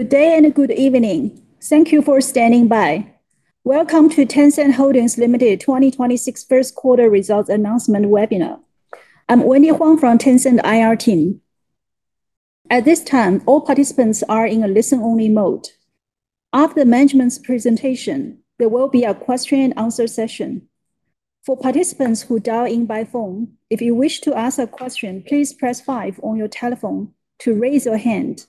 Good day and good evening. Thank you for standing by. Welcome to Tencent Holdings Limited 2026 1st quarter results announcement webinar. I'm Wendy Huang from Tencent IR team. At this time, all participants are in a listen-only mode. After management's presentation, there will be a question-and-answer session. For participants who dial in by phone, if you wish to ask a question, please press five on your telephone to raise your hand.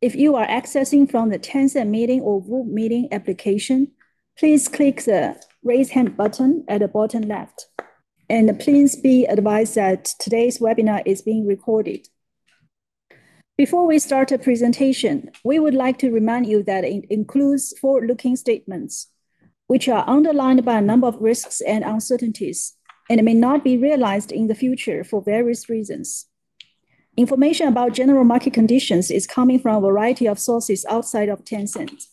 If you are accessing from the Tencent Meeting or VooV Meeting application, please click the Raise Hand button at the bottom left. Please be advised that today's webinar is being recorded. Before we start the presentation, we would like to remind you that it includes forward-looking statements, which are underlined by a number of risks and uncertainties, and it may not be realized in the future for various reasons. Information about general market conditions is coming from a variety of sources outside of Tencent.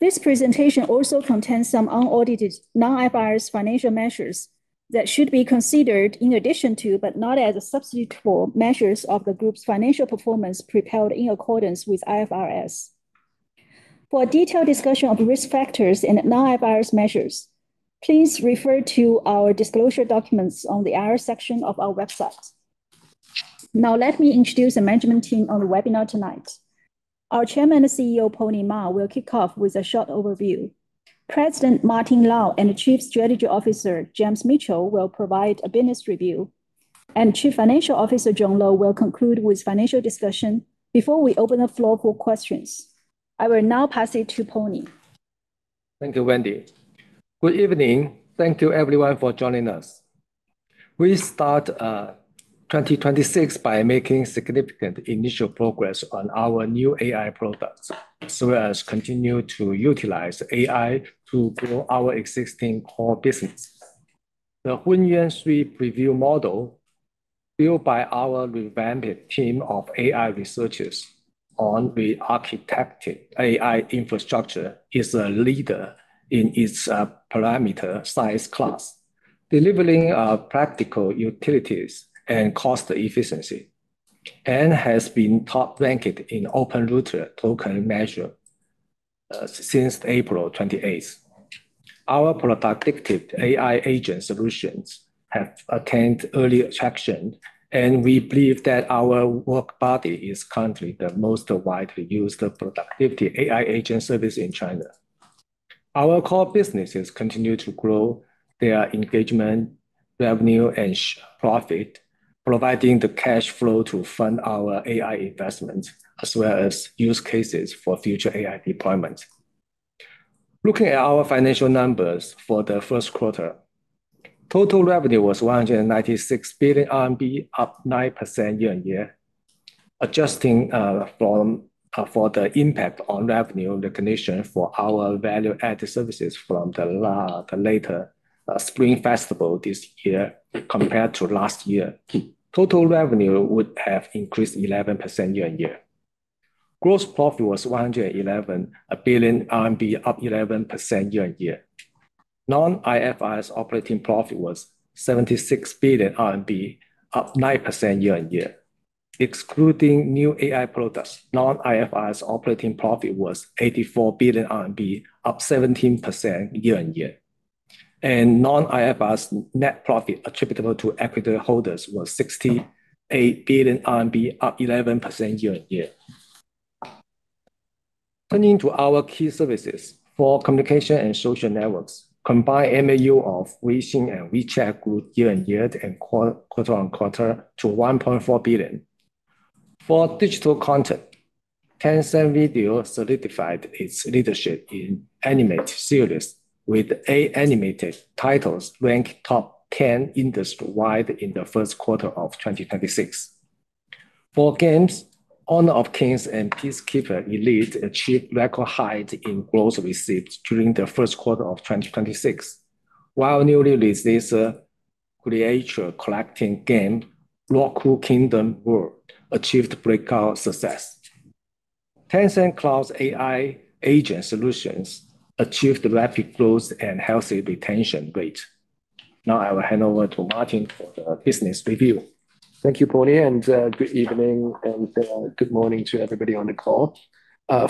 This presentation also contains some unaudited non-IFRS financial measures that should be considered in addition to, but not as a substitute for measures of the group's financial performance prepared in accordance with IFRS. For a detailed discussion of risk factors and non-IFRS measures, please refer to our disclosure documents on the IR section of our website. Now let me introduce the management team on the webinar tonight. Our Chairman and CEO Pony Ma will kick off with a short overview. President Martin Lau and Chief Strategy Officer James Mitchell will provide a business review. Chief Financial Officer John Lo will conclude with financial discussion before we open the floor for questions. I will now pass it to Pony. Thank you, Wendy. Good evening. Thank you everyone for joining us. We start 2026 by making significant initial progress on our new AI products, as well as continue to utilize AI to grow our existing core business. The Hunyuan 3 preview model built by our revamped team of AI researchers on the architected AI infrastructure is a leader in its parameter size class, delivering practical utilities and cost efficiency, and has been top ranked in OpenRouter token measure since April 28th. Our productivity AI agent solutions have attained early traction, and we believe that our WorkBuddy is currently the most widely used productivity AI agent service in China. Our core businesses continue to grow their engagement, revenue and profit, providing the cash flow to fund our AI investments as well as use cases for future AI deployments. Looking at our financial numbers for the first quarter, total revenue was 196 billion RMB, up 9% year-on-year. Adjusting from for the impact on revenue recognition for our Value-added Services from the later Spring Festival this year compared to last year, total revenue would have increased 11% year-on-year. Gross profit was 111 billion RMB, up 11% year-on-year. Non-IFRS operating profit was 76 billion RMB, up 9% year-on-year. Excluding new AI products, non-IFRS operating profit was 84 billion RMB, up 17% year-on-year. Non-IFRS net profit attributable to equity holders was 68 billion RMB, up 11% year-on-year. Turning to our key services for communication and Social Networks, combined MAU of WeChat and Weixin grew year-on-year and quarter-on-quarter to 1.4 million. For digital content, Tencent Video solidified its leadership in animated series with eight animated titles ranked top 10 industry-wide in the first quarter of 2026. For games, Honor of Kings and Peacekeeper Elite achieved record height in gross receipts during the first quarter of 2026, while newly released creature collecting game, Roco Kingdom: World, achieved breakout success. Tencent Cloud's AI agent solutions achieved rapid growth and healthy retention rate. Now I will hand over to Martin for the business review. Thank you, Pony, and good evening and good morning to everybody on the call.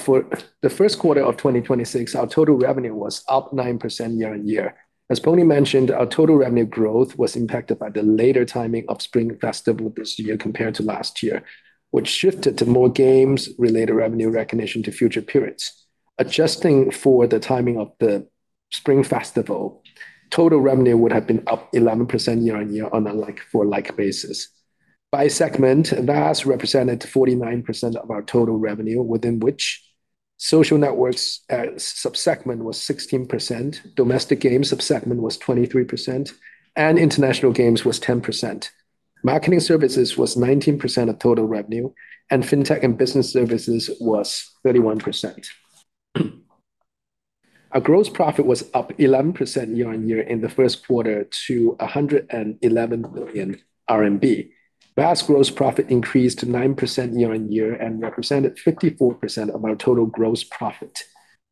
For the first quarter of 2026, our total revenue was up 9% year-on-year. As Pony mentioned, our total revenue growth was impacted by the later timing of Spring Festival this year compared to last year, which shifted to more games-related revenue recognition to future periods. Adjusting for the timing of the Spring Festival, total revenue would have been up 11% year-on-year on a like-for-like basis. By segment, VAS represented 49% of our total revenue, within which Social Networks sub-segment was 16%, Domestic Game sub-segment was 23%, and International Games was 10%. Marketing Services was 19% of total revenue, and FinTech and Business Services was 31%. Our gross profit was up 11% year-on-year in the first quarter to 111 billion RMB. VAS gross profit increased 9% year-on-year and represented 54% of our total gross profit.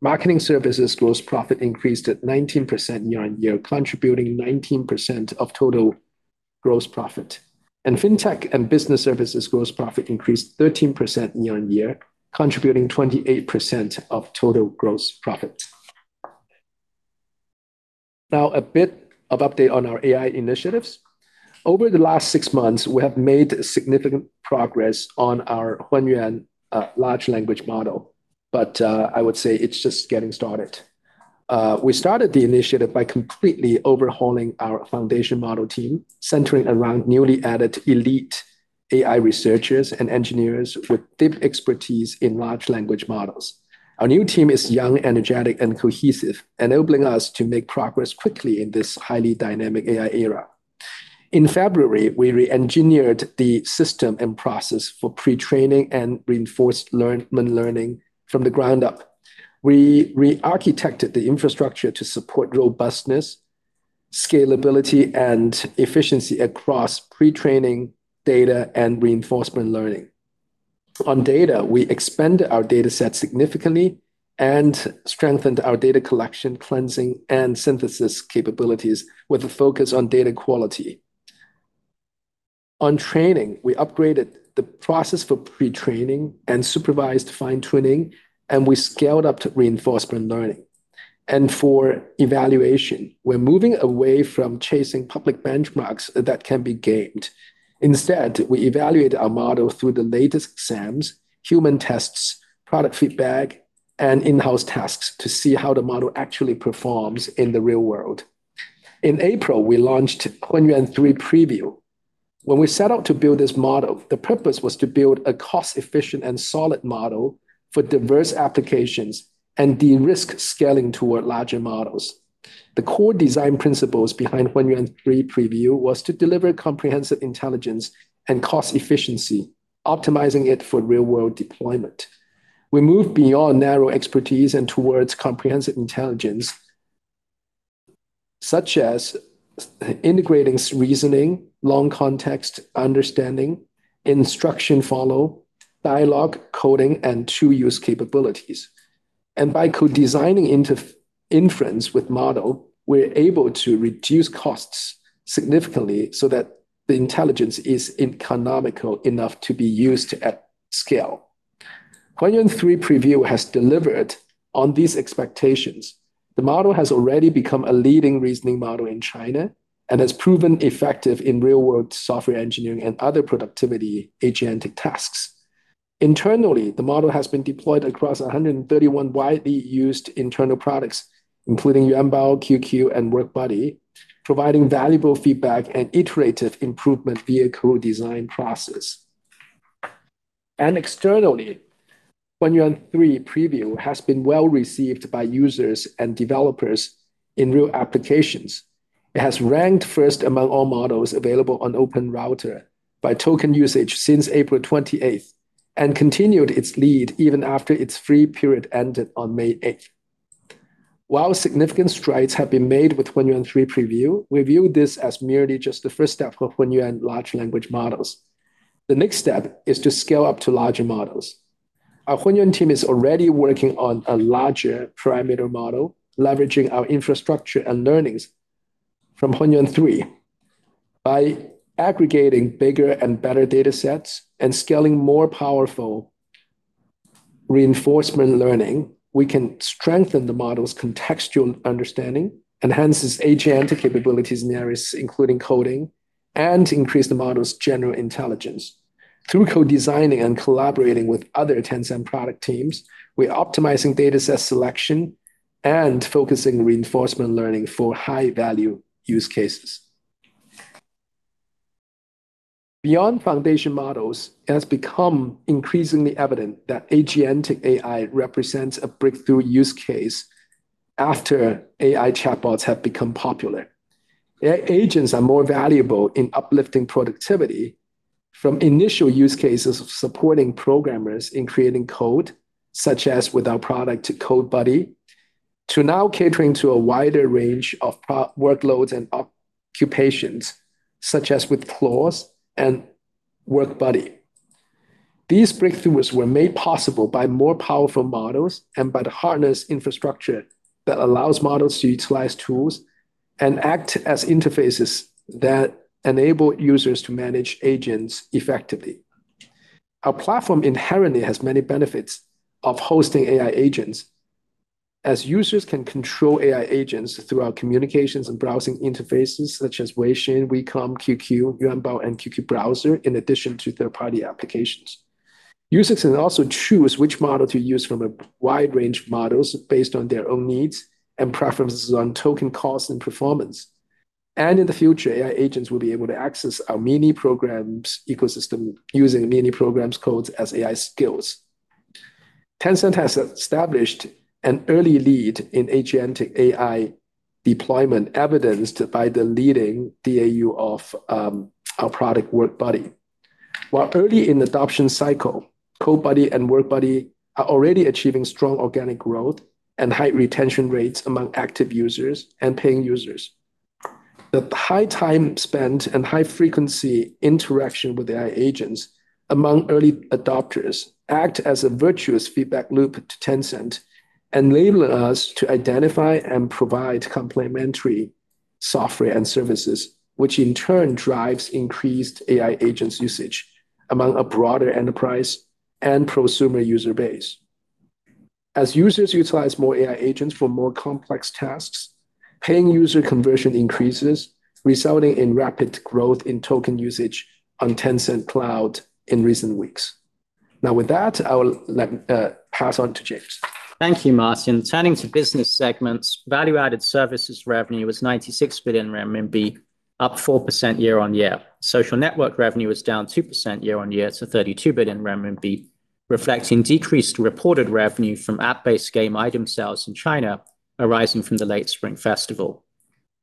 Marketing Services gross profit increased at 19% year-on-year, contributing 19% of total gross profit. FinTech and Business Services gross profit increased 13% year-on-year, contributing 28% of total gross profit. A bit of update on our AI initiatives. Over the last six months, we have made significant progress on our Hunyuan large language model. I would say it's just getting started. We started the initiative by completely overhauling our foundation model team, centering around newly added elite AI researchers and engineers with deep expertise in large language models. Our new team is young, energetic and cohesive, enabling us to make progress quickly in this highly dynamic AI era. In February, we re-engineered the system and process for pre-training and reinforced learning from the ground up. We re-architected the infrastructure to support robustness, scalability, and efficiency across pre-training data and reinforcement learning. On data, we expand our data set significantly and strengthened our data collection, cleansing, and synthesis capabilities with a focus on data quality. On training, we upgraded the process for pre-training and supervised fine-tuning. We scaled up to reinforcement learning. For evaluation, we're moving away from chasing public benchmarks that can be gamed. Instead, we evaluate our model through the latest exams, human tests, product feedback, and in-house tasks to see how the model actually performs in the real world. In April, we launched Hunyuan 3 Preview. When we set out to build this model, the purpose was to build a cost-efficient and solid model for diverse applications and de-risk scaling toward larger models. The core design principles behind Hunyuan 3 Preview was to deliver comprehensive intelligence and cost efficiency, optimizing it for real-world deployment. We move beyond narrow expertise and towards comprehensive intelligence, such as integrating reasoning, long context understanding, instruction follow, dialogue coding, and tool use capabilities. By co-designing inference with model, we're able to reduce costs significantly so that the intelligence is economical enough to be used at scale. Hunyuan 3 Preview has delivered on these expectations. The model has already become a leading reasoning model in China and has proven effective in real-world software engineering and other productivity agentic tasks. Internally, the model has been deployed across 131 widely used internal products, including Yuanbao, QQ, and WorkBuddy, providing valuable feedback and iterative improvement via co-design process. Externally, Hunyuan 3 Preview has been well received by users and developers in real applications. It has ranked first among all models available on OpenRouter by token usage since April 28th and continued its lead even after its free period ended on May 8th. While significant strides have been made with Hunyuan 3 Preview, we view this as merely just the first step for Hunyuan large language models. The next step is to scale up to larger models. Our Hunyuan team is already working on a larger parameter model, leveraging our infrastructure and learnings from Hunyuan 3. By aggregating bigger and better datasets and scaling more powerful reinforcement learning, we can strengthen the model's contextual understanding, enhance its agentic capabilities in areas including coding, and increase the model's general intelligence. Through co-designing and collaborating with other Tencent product teams, we're optimizing dataset selection and focusing reinforcement learning for high-value use cases. Beyond foundation models, it has become increasingly evident that agentic AI represents a breakthrough use case after AI chatbots have become popular. Agents are more valuable in uplifting productivity from initial use cases of supporting programmers in creating code, such as with our product CodeBuddy, to now catering to a wider range of workloads and occupations, such as with Claws and WorkBuddy. These breakthroughs were made possible by more powerful models and by the harness infrastructure that allows models to utilize tools and act as interfaces that enable users to manage agents effectively. Our platform inherently has many benefits of hosting AI agents, as users can control AI agents through our communications and browsing interfaces such as Weixin, WeCom, QQ, Yuanbao, and QQ Browser in addition to third-party applications. Users can also choose which model to use from a wide range of models based on their own needs and preferences on token cost and performance. In the future, AI agents will be able to access our Mini Programs ecosystem using Mini Programs codes as AI Skills. Tencent has established an early lead in agentic AI deployment evidenced by the leading DAU of our product WorkBuddy. While early in adoption cycle, CodeBuddy and WorkBuddy are already achieving strong organic growth and high retention rates among active users and paying users. The high time spent and high-frequency interaction with AI agents among early adopters act as a virtuous feedback loop to Tencent enabling us to identify and provide complementary software and services, which in turn drives increased AI agents usage among a broader enterprise and prosumer user base. As users utilize more AI agents for more complex tasks, paying user conversion increases, resulting in rapid growth in token usage on Tencent Cloud in recent weeks. Now with that, I will pass on to James. Thank you, Martin. Turning to business segments, Value-added Services revenue was 96 billion RMB, up 4% year-on-year. Social Network revenue was down 2% year-on-year to 32 billion RMB, reflecting decreased reported revenue from app-based game item sales in China arising from the late Spring Festival.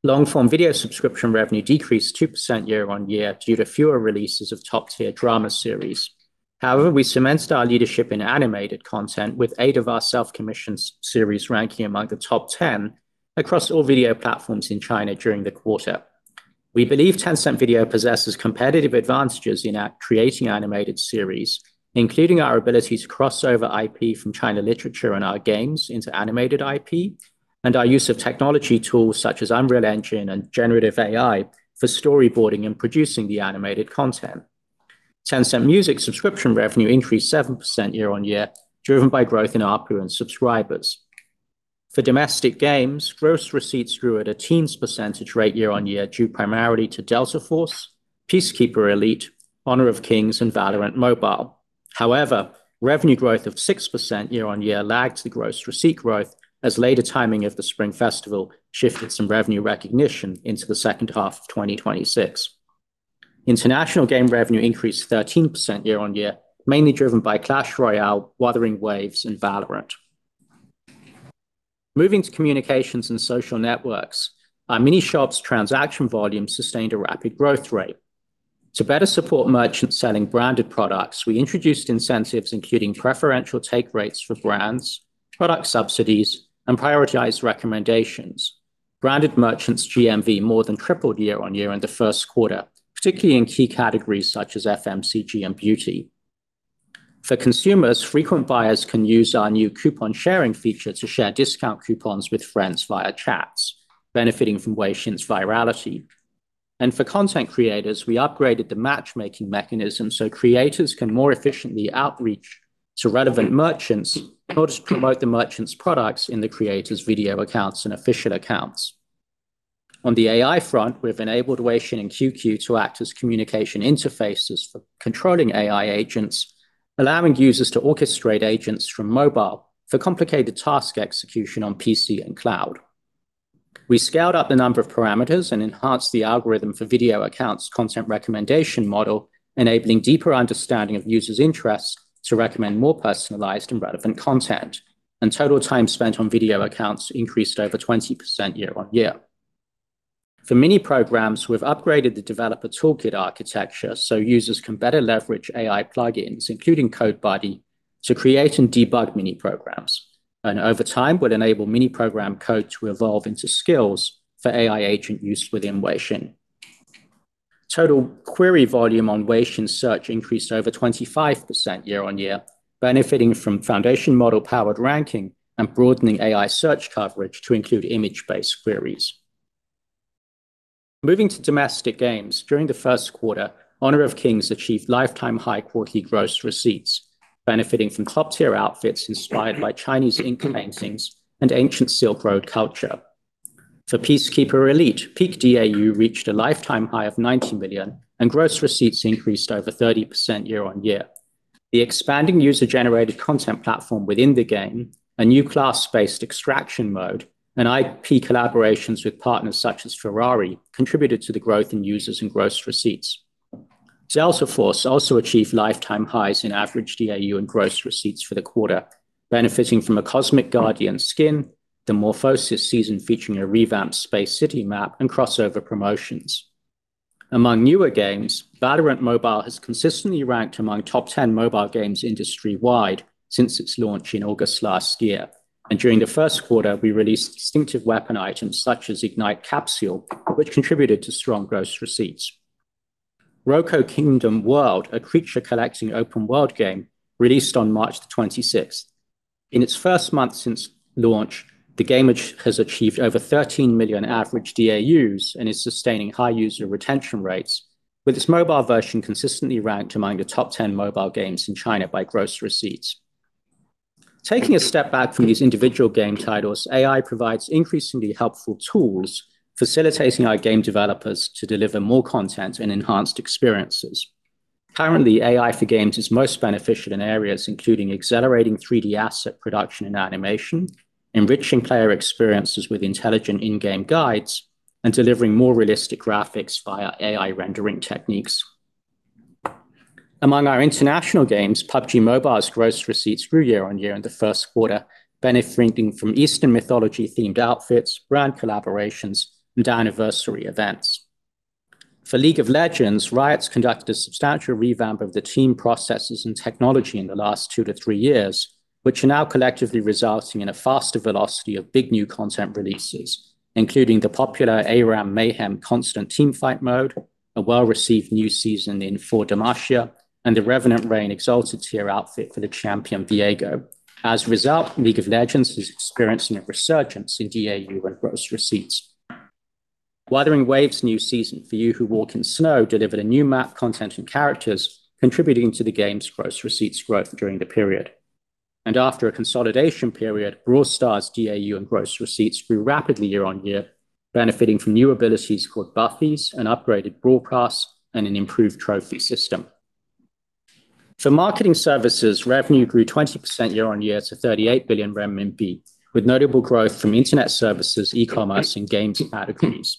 Long-form video subscription revenue decreased 2% year-on-year due to fewer releases of top-tier drama series. However, we cemented our leadership in animated content with 8 of our self-commissioned series ranking among the top 10 across all video platforms in China during the quarter. We believe Tencent Video possesses competitive advantages in our creating animated series, including our abilities to cross over IP from China Literature and our games into animated IP and our use of technology tools such as Unreal Engine and generative AI for storyboarding and producing the animated content. Tencent Music subscription revenue increased 7% year-on-year, driven by growth in our current subscribers. For Domestic Games, gross receipts grew at a teens percentage rate year-on-year due primarily to Delta Force, Peacekeeper Elite, Honor of Kings, VALORANT MOBILE. However, revenue growth of 6% year-on-year lagged the gross receipt growth as later timing of the Spring Festival shifted some revenue recognition into the second half of 2026. International Game revenue increased 13% year-on-year, mainly driven by Clash Royale, Wuthering Waves, and Valorant. Moving to Communications & Social Networks, our Mini Shops' transaction volume sustained a rapid growth rate. To better support merchants selling branded products, we introduced incentives including preferential take rates for brands, product subsidies, and prioritized recommendations. Branded merchants GMV more than tripled year-on-year in the first quarter, particularly in key categories such as FMCG and beauty. For consumers, frequent buyers can use our new coupon sharing feature to share discount coupons with friends via chats, benefiting from Weixin's virality. For content creators, we upgraded the matchmaking mechanism so creators can more efficiently outreach to relevant merchants in order to promote the merchant's products in the creator's Video Accounts and Official Accounts. On the AI front, we've enabled Weixin and QQ to act as communication interfaces for controlling AI agents, allowing users to orchestrate agents from mobile for complicated task execution on PC and cloud. We scaled up the number of parameters and enhanced the algorithm for Video Accounts content recommendation model, enabling deeper understanding of users interests to recommend more personalized and relevant content. Total time spent on Video Accounts increased over 20% year-on-year. For Mini Programs, we've upgraded the developer toolkit architecture so users can better leverage AI plugins, including CodeBuddy, to create and debug Mini Programs, and over time would enable Mini Program code to evolve into skills for AI agent use within Weixin. Total query volume on Weixin Search increased over 25% year-on-year, benefiting from foundation model-powered ranking and broadening AI search coverage to include image-based queries. Moving to Domestic Games, during the first quarter, Honor of Kings achieved lifetime high quarterly gross receipts, benefiting from club tier outfits inspired by Chinese ink-paintings and ancient Silk Road culture. For Peacekeeper Elite, peak DAU reached a lifetime high of 90 million, and gross receipts increased over 30% year-on-year. The expanding user-generated content platform within the game, a new class-based extraction mode, and IP collaborations with partners such as Ferrari contributed to the growth in users and gross receipts. Delta Force also achieved lifetime highs in average DAU and gross receipts for the quarter, benefiting from a Cosmic Guardian skin, the Morphosis season featuring a revamped Space City map, and crossover promotions. Among newer games, VALORANT MOBILE has consistently ranked among top 10 mobile games industry-wide since its launch in August last year. During the first quarter, we released distinctive weapon items such as Ignite Capsule, which contributed to strong gross receipts. Roco Kingdom: World, a creature collecting open world game, released on March 26. In its first month since launch, the game has achieved over 13 million average DAUs and is sustaining high user retention rates, with its mobile version consistently ranked among the top 10 mobile games in China by gross receipts. Taking a step back from these individual game titles, AI provides increasingly helpful tools facilitating our game developers to deliver more content and enhanced experiences. Currently, AI for games is most beneficial in areas including accelerating 3D asset production and animation, enriching player experiences with intelligent in-game guides, and delivering more realistic graphics via AI rendering techniques. Among our International Games, PUBG Mobile's gross receipts grew year-on-year in the first quarter, benefiting from Eastern mythology-themed outfits, brand collaborations, and anniversary events. For League of Legends, Riot's conducted a substantial revamp of the team processes and technology in the last two to three years, which are now collectively resulting in a faster velocity of big new content releases, including the popular ARAM: Mayhem constant team fight mode, a well-received new season in For Demacia, and the Revenant Reign Exalted tier outfit for the champion Viego. As a result, League of Legends is experiencing a resurgence in DAU and gross receipts. Wuthering Waves new season, For You Who Walk in Snow, delivered a new map content and characters contributing to the game's gross receipts growth during the period. After a consolidation period, Brawl Stars DAU and gross receipts grew rapidly year-on-year, benefiting from new abilities called Buffies, an upgraded Brawl Pass, and an improved Trophy system. For Marketing Services, revenue grew 20% year-on-year to 38 billion renminbi, with notable growth from internet services, eCommerce and games categories.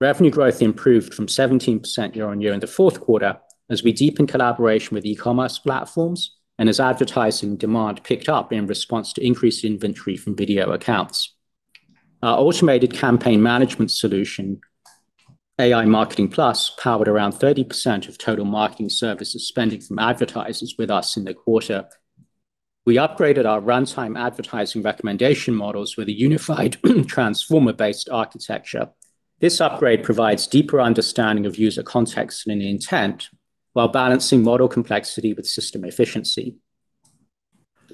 Revenue growth improved from 17% year-on-year in the fourth quarter as we deepen collaboration with eCommerce platforms and as advertising demand picked up in response to increased inventory from Video Accounts. Our automated campaign management solution, AI Marketing Plus, powered around 30% of total Marketing Services spending from advertisers with us in the quarter. We upgraded our runtime advertising recommendation models with a unified transformer-based architecture. This upgrade provides deeper understanding of user context and intent while balancing model complexity with system efficiency.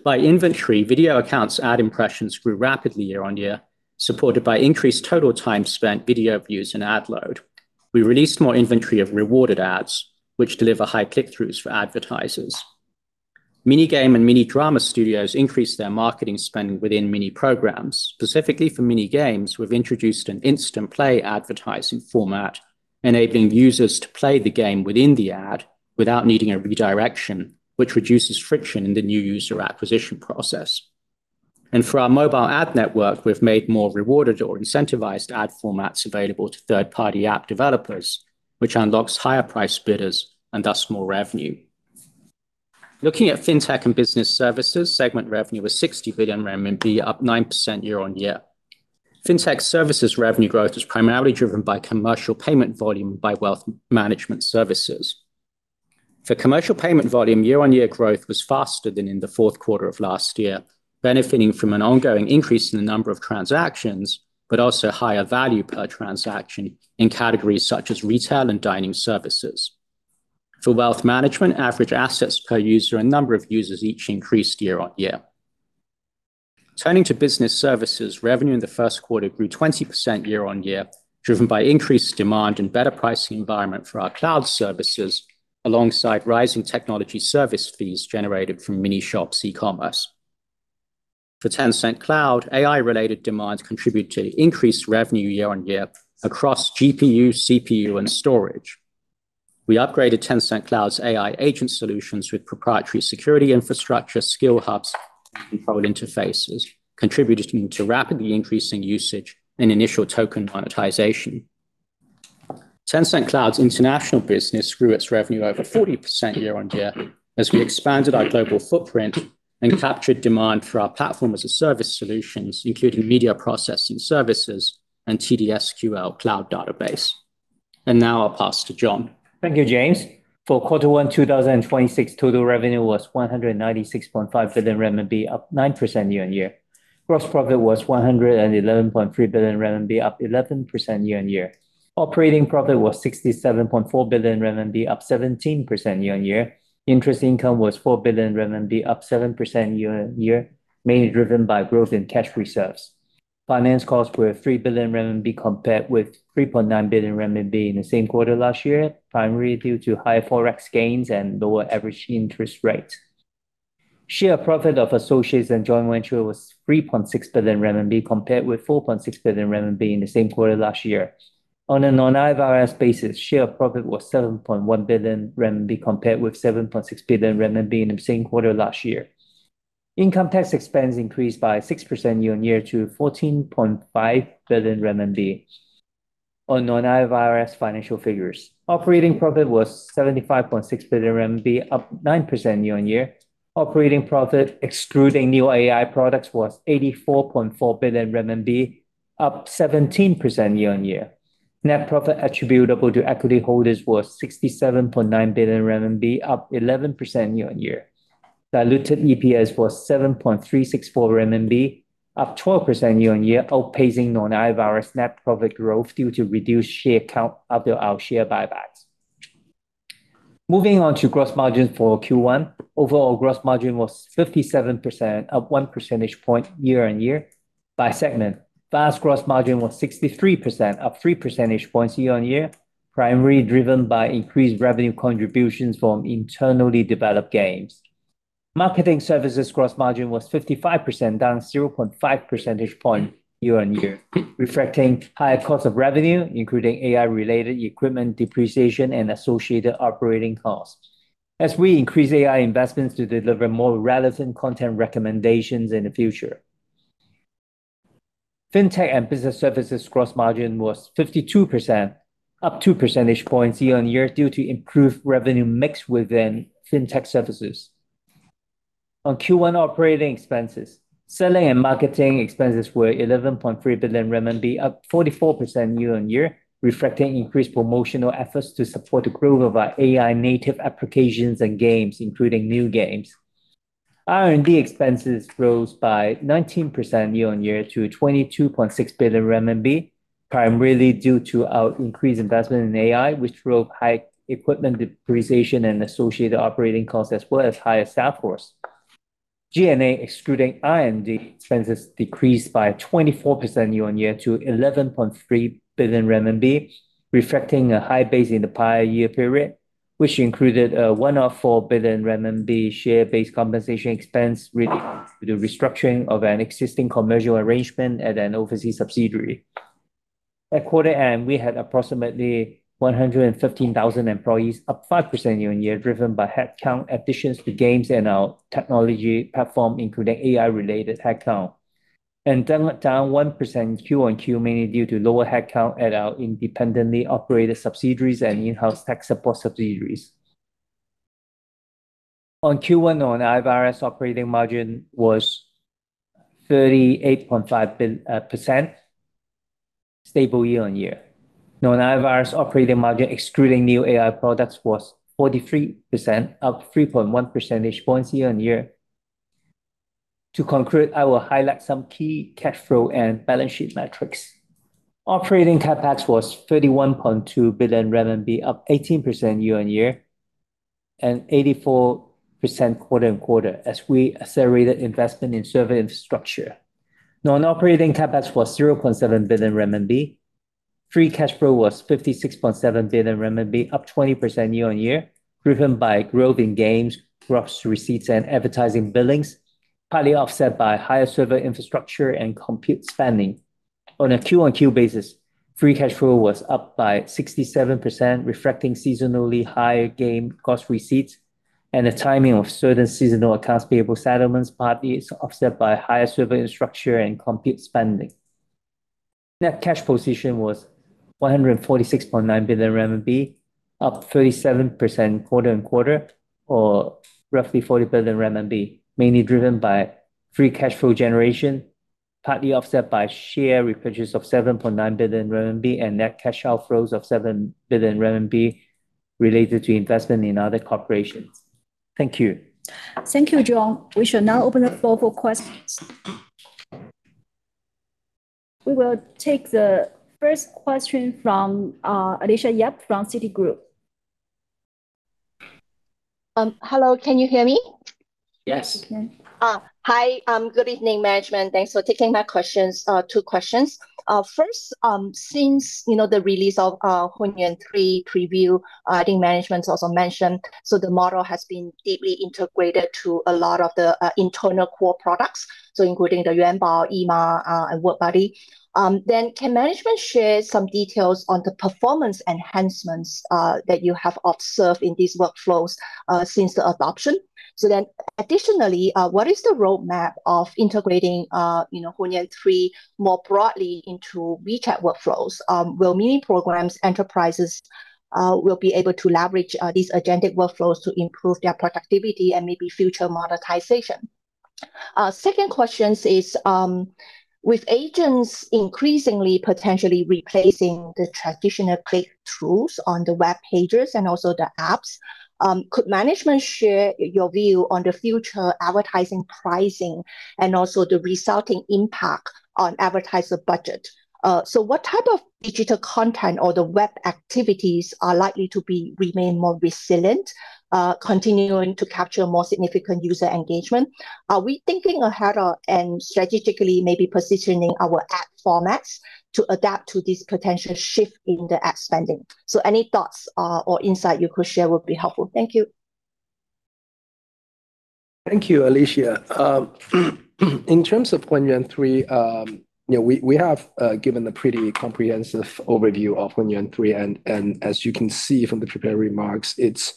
By inventory, video acounts ad impressions grew rapidly year-on-year, supported by increased total time spent video views and ad load. We released more inventory of rewarded ads, which deliver high click-throughs for advertisers. Mini game and mini drama studios increased their marketing spend within Mini Programs. Specifically for mini games, we've introduced an instant play advertising format, enabling users to play the game within the ad without needing a redirection, which reduces friction in the new user acquisition process. For our mobile ad network, we've made more rewarded or incentivized ad formats available to third-party app developers, which unlocks higher price bidders and thus more revenue. Looking at FinTech and Business Services, segment revenue was 60 billion RMB, up 9% year-on-year. Fintech Services revenue growth is primarily driven by commercial payment volume by wealth management services. For commercial payment volume, year-on-year growth was faster than in the fourth quarter of last year, benefiting from an ongoing increase in the number of transactions, but also higher value per transaction in categories such as retail and dining services. For wealth management, average assets per user and number of users each increased year-over-year. Turning to Business Services, revenue in the first quarter grew 20% year-over-year, driven by increased demand and better pricing environment for our Cloud Services alongside rising technology service fees generated from Mini Shops eCommerce. For Tencent Cloud, AI-related demands contribute to increased revenue year-over-year across GPU, CPU, and storage. We upgraded Tencent Cloud's AI agent solutions with proprietary security infrastructure, skill hubs, and control interfaces, contributing to rapidly increasing usage and initial token monetization. Tencent Cloud's international business grew its revenue over 40% year-over-year as we expanded our global footprint and captured demand for our platform as a service solutions, including media processing services and TDSQL Cloud Database. Now I'll pass to John. Thank you, James. For Q1 2026, total revenue was 196.5 billion RMB, up 9% year-on-year. Gross profit was 111.3 billion RMB, up 11% year-on-year. Operating profit was 67.4 billion RMB, up 17% year-on-year. Interest income was 4 billion RMB, up 7% year-on-year, mainly driven by growth in cash reserves. Finance costs were 3 billion RMB compared with 3.9 billion RMB in the same quarter last year, primarily due to higher Forex gains and lower average interest rates. Share profit of associates and joint venture was 3.6 billion RMB compared with 4.6 billion RMB in the same quarter last year. On a non-IFRS basis, share profit was 7.1 billion RMB compared with 7.6 billion RMB in the same quarter last year. Income tax expense increased by 6% year-on-year to 14.5 billion RMB. On non-IFRS financial figures, operating profit was 75.6 billion RMB, up 9% year-on-year. Operating profit, excluding new AI products, was 84.4 billion RMB, up 17% year-on-year. Net profit attributable to equity holders was 67.9 billion RMB, up 11% year-on-year. Diluted EPS was 7.364 RMB, up 12% year-on-year, outpacing non-IFRS net profit growth due to reduced share count after our share buybacks. Moving on to gross margin for Q1. Overall gross margin was 57%, up 1 percentage point year-on-year. By segment, VAS gross margin was 63%, up 3 percentage points year-on-year, primarily driven by increased revenue contributions from internally developed games. Marketing Services gross margin was 55%, down 0.5 percentage point year-on-year, reflecting higher cost of revenue, including AI-related equipment depreciation and associated operating costs, as we increase AI investments to deliver more relevant content recommendations in the future. FinTech and Business Services gross margin was 52%, up 2 percentage points year-on-year due to improved revenue mix within FinTech Services. On Q1 operating expenses, selling and marketing expenses were 11.3 billion RMB, up 44% year-on-year, reflecting increased promotional efforts to support the growth of our AI-native applications and games, including new games. R&D expenses rose by 19% year-on-year to 22.6 billion RMB, primarily due to our increased investment in AI, which drove high equipment depreciation and associated operating costs as well as higher staff force. G&A, excluding R&D expenses, decreased by 24% year-on-year to 11.3 billion RMB, reflecting a high base in the prior year period, which included a one-off 4 billion RMB share-based compensation expense related to the restructuring of an existing commercial arrangement at an overseas subsidiary. At quarter end, we had approximately 115,000 employees, up 5% year-over-year, driven by headcount additions to games and our technology platform, including AI-related headcount. Down 1% quarter-over-quarter, mainly due to lower headcount at our independently operated subsidiaries and in-house tech support subsidiaries. Q1 non-IFRS operating margin was 38.5%, stable year-over-year. Non-IFRS operating margin excluding new AI products was 43%, up 3.1 percentage points year-over-year. To conclude, I will highlight some key cash flow and balance sheet metrics. Operating CapEx was 31.2 billion RMB, up 18% year-over-year and 84% quarter-over-quarter as we accelerated investment in server infrastructure. Non-operating CapEx was 0.7 billion renminbi. Free cash flow was 56.7 billion renminbi, up 20% year-on-year, driven by growth in games, gross receipts and advertising billings, partly offset by higher server infrastructure and compute spending. On a quarter-on-quarter basis, free cash flow was up by 67%, reflecting seasonally higher game gross receipts and the timing of certain seasonal accounts payable settlements, partly is offset by higher server infrastructure and compute spending. Net cash position was 146.9 billion RMB, up 37% quarter-on-quarter or roughly 40 billion RMB, mainly driven by free cash flow generation, partly offset by share repurchase of 7.9 billion RMB and net cash outflows of 7 billion RMB related to investment in other corporations. Thank you. Thank you, John. We shall now open the floor for questions. We will take the first question from Alicia Yap from Citigroup. Hello, can you hear me? Yes. Hi, good evening, management. Thanks for taking my questions. Two questions. First, since, you know, the release of Hunyuan 3 Preview, I think management also mentioned, the model has been deeply integrated to a lot of the internal core products, including the Yuanbao, Ima, and WorkBuddy. Can management share some details on the performance enhancements that you have observed in these workflows since the adoption? Additionally, what is the roadmap of integrating, you know, Hunyuan 3 more broadly into WeChat workflows? Will Mini Programs enterprises will be able to leverage these agentic workflows to improve their productivity and maybe future monetization? Second questions is, with agents increasingly potentially replacing the traditional click-throughs on the web pages and also the apps, could management share your view on the future advertising pricing and also the resulting impact on advertiser budget? What type of digital content or the web activities are likely to remain more resilient, continuing to capture more significant user engagement? Are we thinking ahead and strategically maybe positioning our ad formats to adapt to this potential shift in the ad spending? Any thoughts or insight you could share would be helpful. Thank you. Thank you, Alicia. In terms of Hunyuan 3, you know, we have given a pretty comprehensive overview of Hunyuan 3. As you can see from the prepared remarks, it's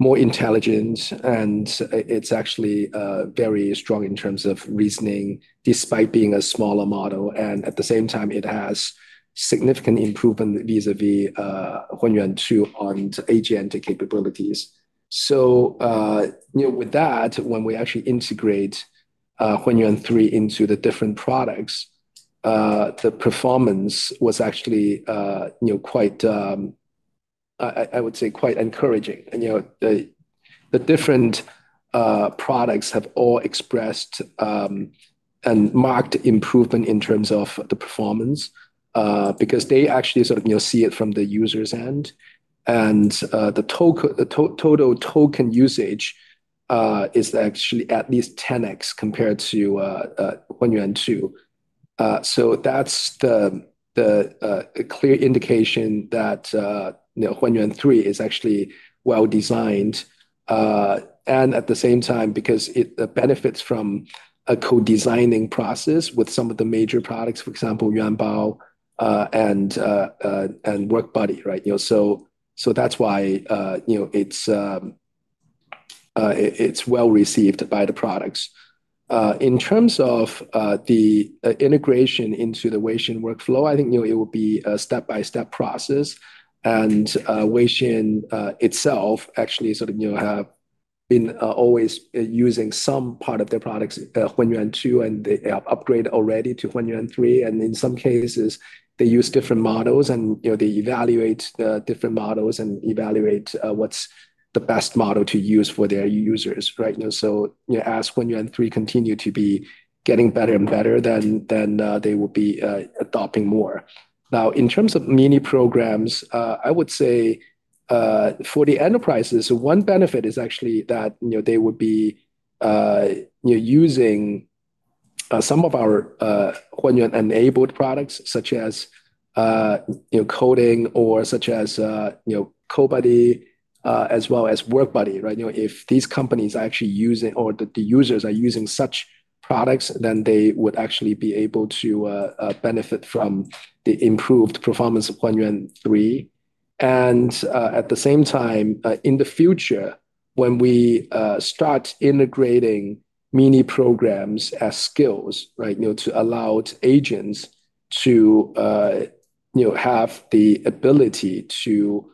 more intelligent and it's actually very strong in terms of reasoning despite being a smaller model. At the same time, it has significant improvement vis-a-vis Hunyuan 2 on agentic capabilities. You know, with that, when we actually integrate Hunyuan 3 into the different products, the performance was actually, you know, quite, I would say quite encouraging. You know, the different products have all expressed and marked improvement in terms of the performance because they actually sort of, you know, see it from the user's end. The total token usage is actually at least 10x compared to Hunyuan 2. That's the clear indication that, you know, Hunyuan 3 is actually well designed. At the same time, because it benefits from a co-designing process with some of the major products, for example, Yuanbao, and WorkBuddy, right. You know, that's why, you know, it's well received by the products. In terms of the integration into the Weixin workflow, I think, you know, it will be a step-by-step process. Weixin itself actually sort of, you know, have been always using some part of their products, Hunyuan 2, and they upgrade already to Hunyuan 3. In some cases, they use different models and they evaluate the different models and evaluate what's the best model to use for their users. As Hunyuan 3 continue to be getting better and better, then they will be adopting more. Now, in terms of Mini Programs, I would say for the enterprises, one benefit is actually that they would be using some of our Hunyuan-enabled products such as coding or such as CodeBuddy, as well as WorkBuddy. You know, if these companies are actually using or the users are using such products, then they would actually be able to benefit from the improved performance of Hunyuan 3. At the same time, in the future, when we start integrating Mini Programs as skills, right, you know, to allow agents to, you know, have the ability to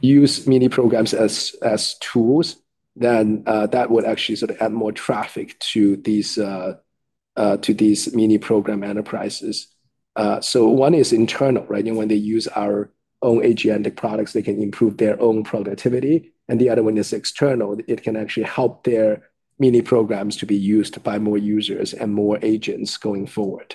use Mini Programs as tools, that would actually sort of add more traffic to these to these Mini Program enterprises. One is internal, right? You know, when they use our own agentic products, they can improve their own productivity, the other one is external. It can actually help their Mini Programs to be used by more users and more agents going forward.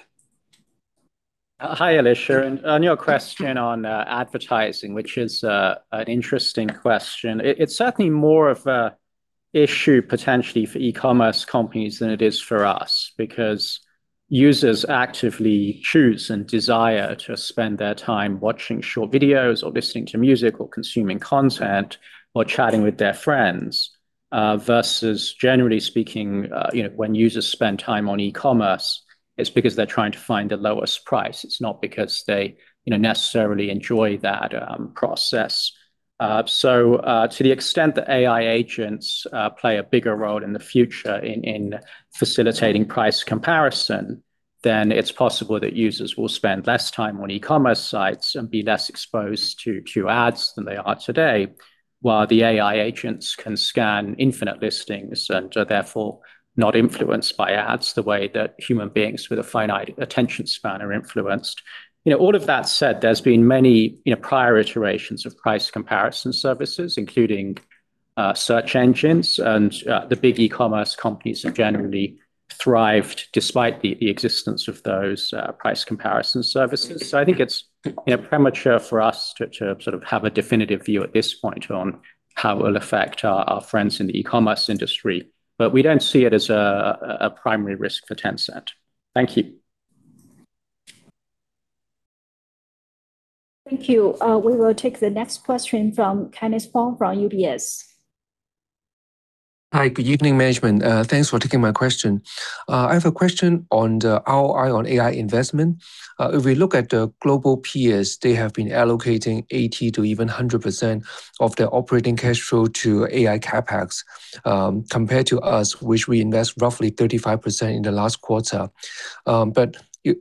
Hi, Alicia. On your question on advertising, which is an interesting question, it's certainly more of a issue potentially for eCommerce companies than it is for us because users actively choose and desire to spend their time watching short videos or listening to music or consuming content or chatting with their friends, versus generally speaking, you know, when users spend time on eCommerce, it's because they're trying to find the lowest price. It's not because they, you know, necessarily enjoy that process. To the extent that AI agents play a bigger role in the future in facilitating price comparison, then it's possible that users will spend less time on eCommerce sites and be less exposed to ads than they are today, while the AI agents can scan infinite listings and are therefore not influenced by ads the way that human beings with a finite attention span are influenced. You know, all of that said, there's been many, you know, prior iterations of price comparison services, including search engines and the big eCommerce companies have generally thrived despite the existence of those price comparison services. I think it's, you know, premature for us to sort of have a definitive view at this point on how it will affect our friends in the eCommerce industry. We don't see it as a primary risk for Tencent. Thank you. Thank you. We will take the next question from Kenneth Fong from UBS. Hi. Good evening, Management. Thanks for taking my question. I have a question on the ROI on AI investment. If we look at the global peers, they have been allocating 80% to even 100% of their operating cash flow to AI CapEx, compared to us, which we invest roughly 35% in the last quarter.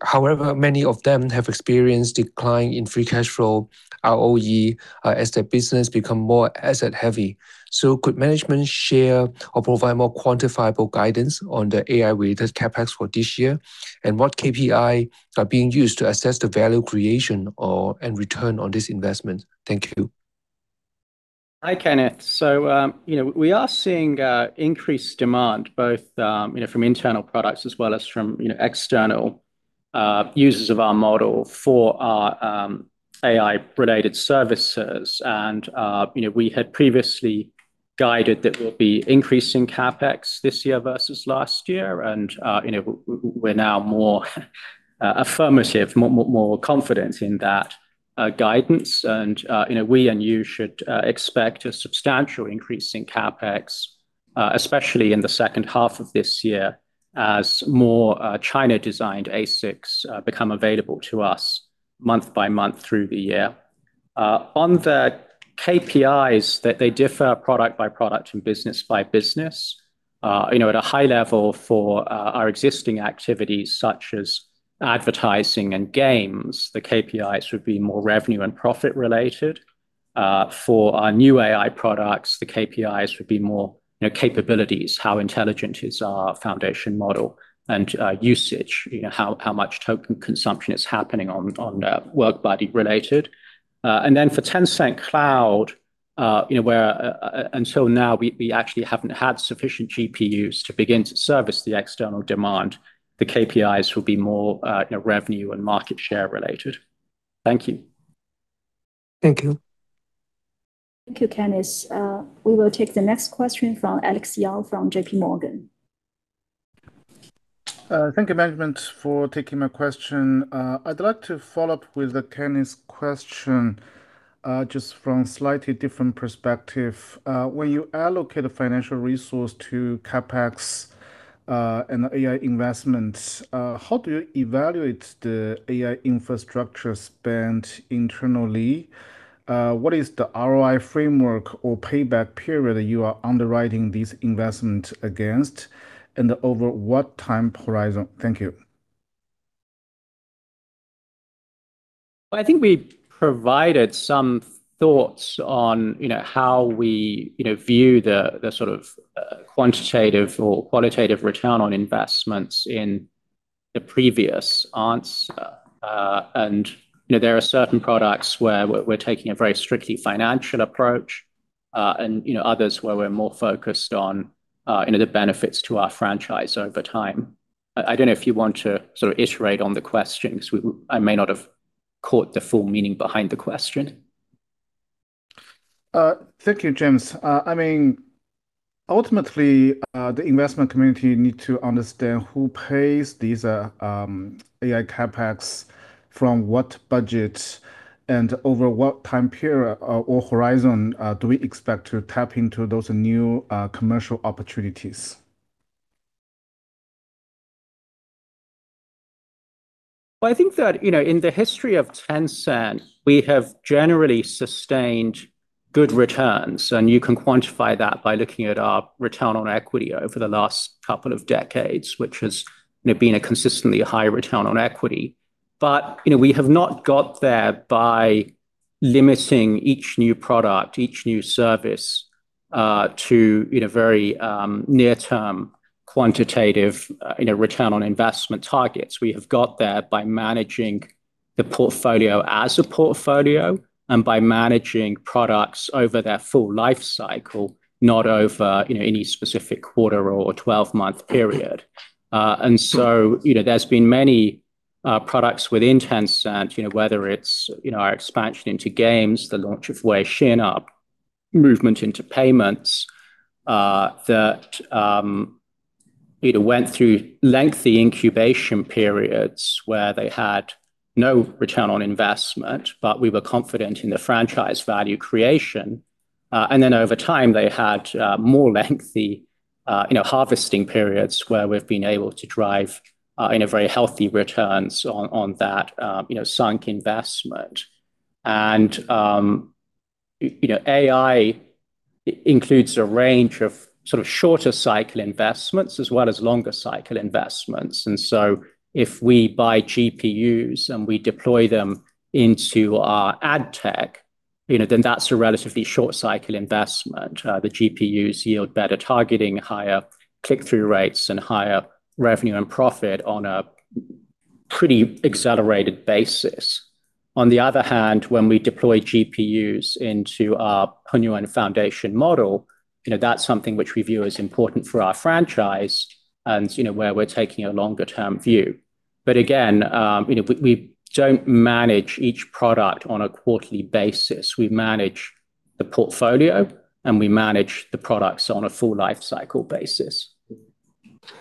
However, many of them have experienced decline in free cash flow ROE, as their business become more asset heavy. Could Management share or provide more quantifiable guidance on the AI-related CapEx for this year, and what KPI are being used to assess the value creation or, and return on this investment? Thank you. Hi, Kenneth. You know, we are seeing increased demand both, you know, from internal products as well as from, you know, external users of our model for our AI-related services. We had previously guided that we'll be increasing CapEx this year versus last year and, you know, we're now more affirmative, more confident in that guidance. We and you should expect a substantial increase in CapEx, especially in the second half of this year as more China-designed ASICs become available to us month by month through the year. On the KPIs that they differ product by product and business by business. You know, at a high level for our existing activities such as advertising and games, the KPIs would be more revenue and profit related. For our new AI products, the KPIs would be more, you know, capabilities, how intelligent is our foundation model, and usage, you know, how much token consumption is happening on the WorkBuddy related. For Tencent Cloud, you know, where, until now we actually haven't had sufficient GPUs to begin to service the external demand, the KPIs will be more, you know, revenue and market share related. Thank you. Thank you. Thank you, Kenneth. We will take the next question from Alex Yao from JPMorgan. Thank you, management, for taking my question. I'd like to follow up with Kenneth's question, just from slightly different perspective. When you allocate a financial resource to CapEx, and AI investments, how do you evaluate the AI infrastructure spent internally? What is the ROI framework or payback period you are underwriting these investment against, and over what time horizon? Thank you. Well, I think we provided some thoughts on, you know, how we, you know, view the sort of, quantitative or qualitative return on investments in the previous answer. There are certain products where we're taking a very strictly financial approach. Others where we're more focused on, you know, the benefits to our franchise over time. I don't know if you want to sort of iterate on the question 'cause I may not have caught the full meaning behind the question. Thank you, James. I mean, ultimately, the investment community need to understand who pays these AI CapEx, from what budget, and over what time period or horizon, do we expect to tap into those new commercial opportunities? Well, I think that, you know, in the history of Tencent, we have generally sustained good returns, and you can quantify that by looking at our return on equity over the last couple of decades, which has, you know, been a consistently high return on equity. You know, we have not got there by limiting each new product, each new service, to, you know, very, near term quantitative, you know, return on investment targets. We have got there by managing the portfolio as a portfolio and by managing products over their full life cycle, not over, you know, any specific quarter or a 12-month period. You know, there's been many products within Tencent, you know, whether it's, you know, our expansion into games, the launch of Weixin, our movement into payments, that, you know, went through lengthy incubation periods where they had no ROI, but we were confident in the franchise value creation. Over time, they had more lengthy, you know, harvesting periods where we've been able to drive, you know, very healthy returns on that, you know, sunk investment. You know, AI includes a range of sort of shorter cycle investments as well as longer cycle investments. If we buy GPUs and we deploy them into our ad tech, you know, then that's a relatively short cycle investment. The GPUs yield better targeting, higher click-through rates and higher revenue and profit on a pretty accelerated basis. On the other hand, when we deploy GPUs into our Hunyuan foundation model, you know, that's something which we view as important for our franchise and, you know, where we're taking a longer term view. Again, you know, we don't manage each product on a quarterly basis. We manage the portfolio, and we manage the products on a full life cycle basis.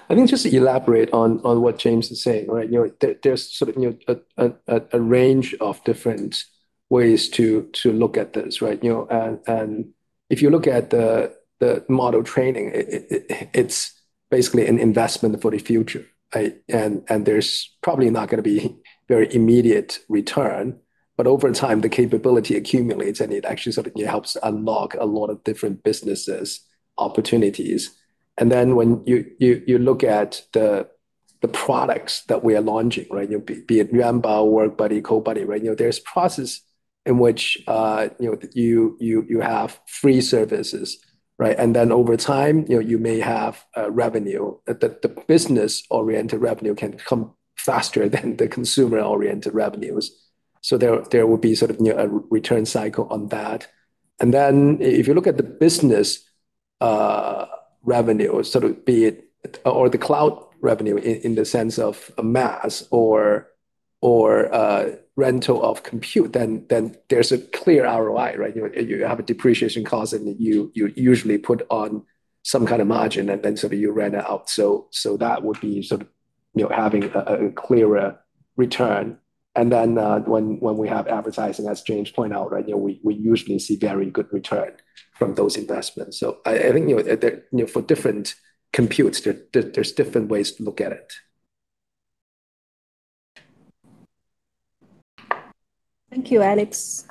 I think just to elaborate on what James is saying, right? You know, there's sort of, you know, a range of different ways to look at this, right? You know, if you look at the model training, it's basically an investment for the future, right? There's probably not gonna be very immediate return. Over time, the capability accumulates, and it actually sort of, you know, helps unlock a lot of different business opportunities. When you look at the products that we are launching, right? You know, be it Yuanbao, WorkBuddy, CodeBuddy, right? You know, there's process in which, you know, you have free services, right? Over time, you know, you may have revenue. The business-oriented revenue can come faster than the consumer-oriented revenues. There will be sort of, you know, a return cycle on that. If you look at the business revenue or the Cloud revenue in the sense of a MaaS or rental of compute, then there's a clear ROI, right? You know, you have a depreciation cost, and you usually put on some kind of margin, and then sort of you rent it out. That would be sort of, you know, having a clearer return. When we have advertising, as James pointed out, right? You know, we usually see very good return from those investments. I think, you know, for different computes, there's different ways to look at it. Thank you, Alex.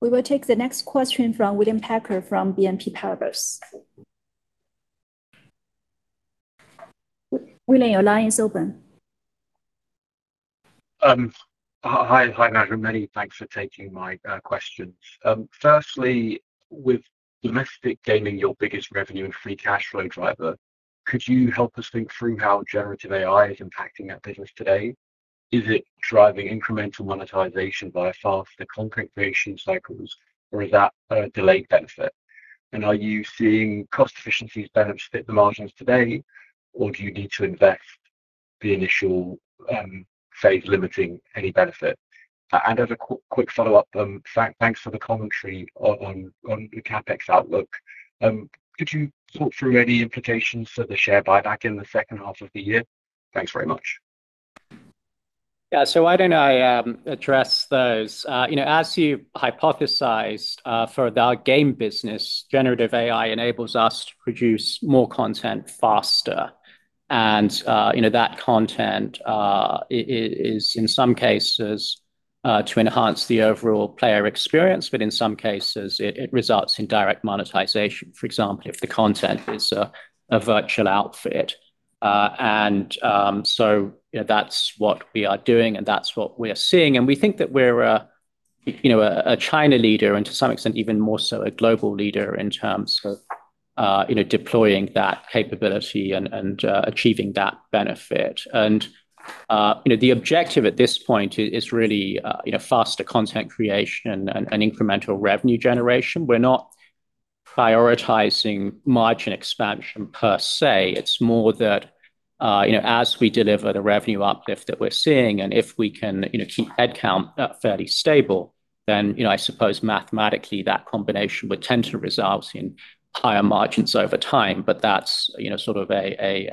We will take the next question from William Packer from BNP Paribas. Will, your line is open. Hi, hi, management. Thanks for taking my questions. Firstly, with domestic gaming your biggest revenue and free cash flow driver, could you help us think through how generative AI is impacting that business today? Is it driving incremental monetization by faster content creation cycles, or is that a delayed benefit? Are you seeing cost efficiencies benefits hit the margins today, or do you need to invest the initial limiting any benefit? As a quick follow-up, thanks for the commentary on the CapEx outlook. Could you talk through any implications for the share buyback in the second half of the year? Thanks very much. Yeah. Why don't I address those? You know, as you hypothesized, for our Game business, generative AI enables us to produce more content faster. You know, that content is in some cases. To enhance the overall player experience, in some cases it results in direct monetization, for example, if the content is a virtual outfit. You know, that's what we are doing and that's what we are seeing. We think that we're a, you know, China leader and to some extent even more so a global leader in terms of, you know, deploying that capability and achieving that benefit. You know, the objective at this point is really, you know, faster content creation and incremental revenue generation. We're not prioritizing margin expansion per se. It's more that, you know, as we deliver the revenue uplift that we're seeing, and if we can, you know, keep headcount fairly stable, then, you know, I suppose mathematically that combination would tend to result in higher margins over time. That's, you know, sort of a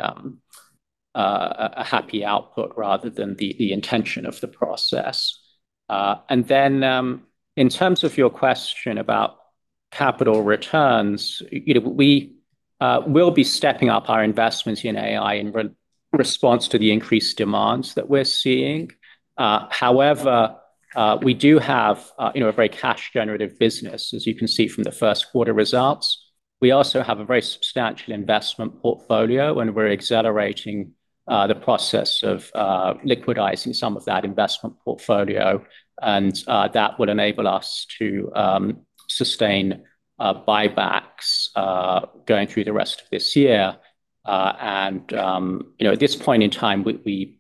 happy output rather than the intention of the process. In terms of your question about capital returns, you know, we will be stepping up our investments in AI in re-response to the increased demands that we're seeing. However, we do have, you know, a very cash generative business, as you can see from the first quarter results. We also have a very substantial investment portfolio. We're accelerating the process of liquidizing some of that investment portfolio. That would enable us to sustain buybacks going through the rest of this year. You know, at this point in time, we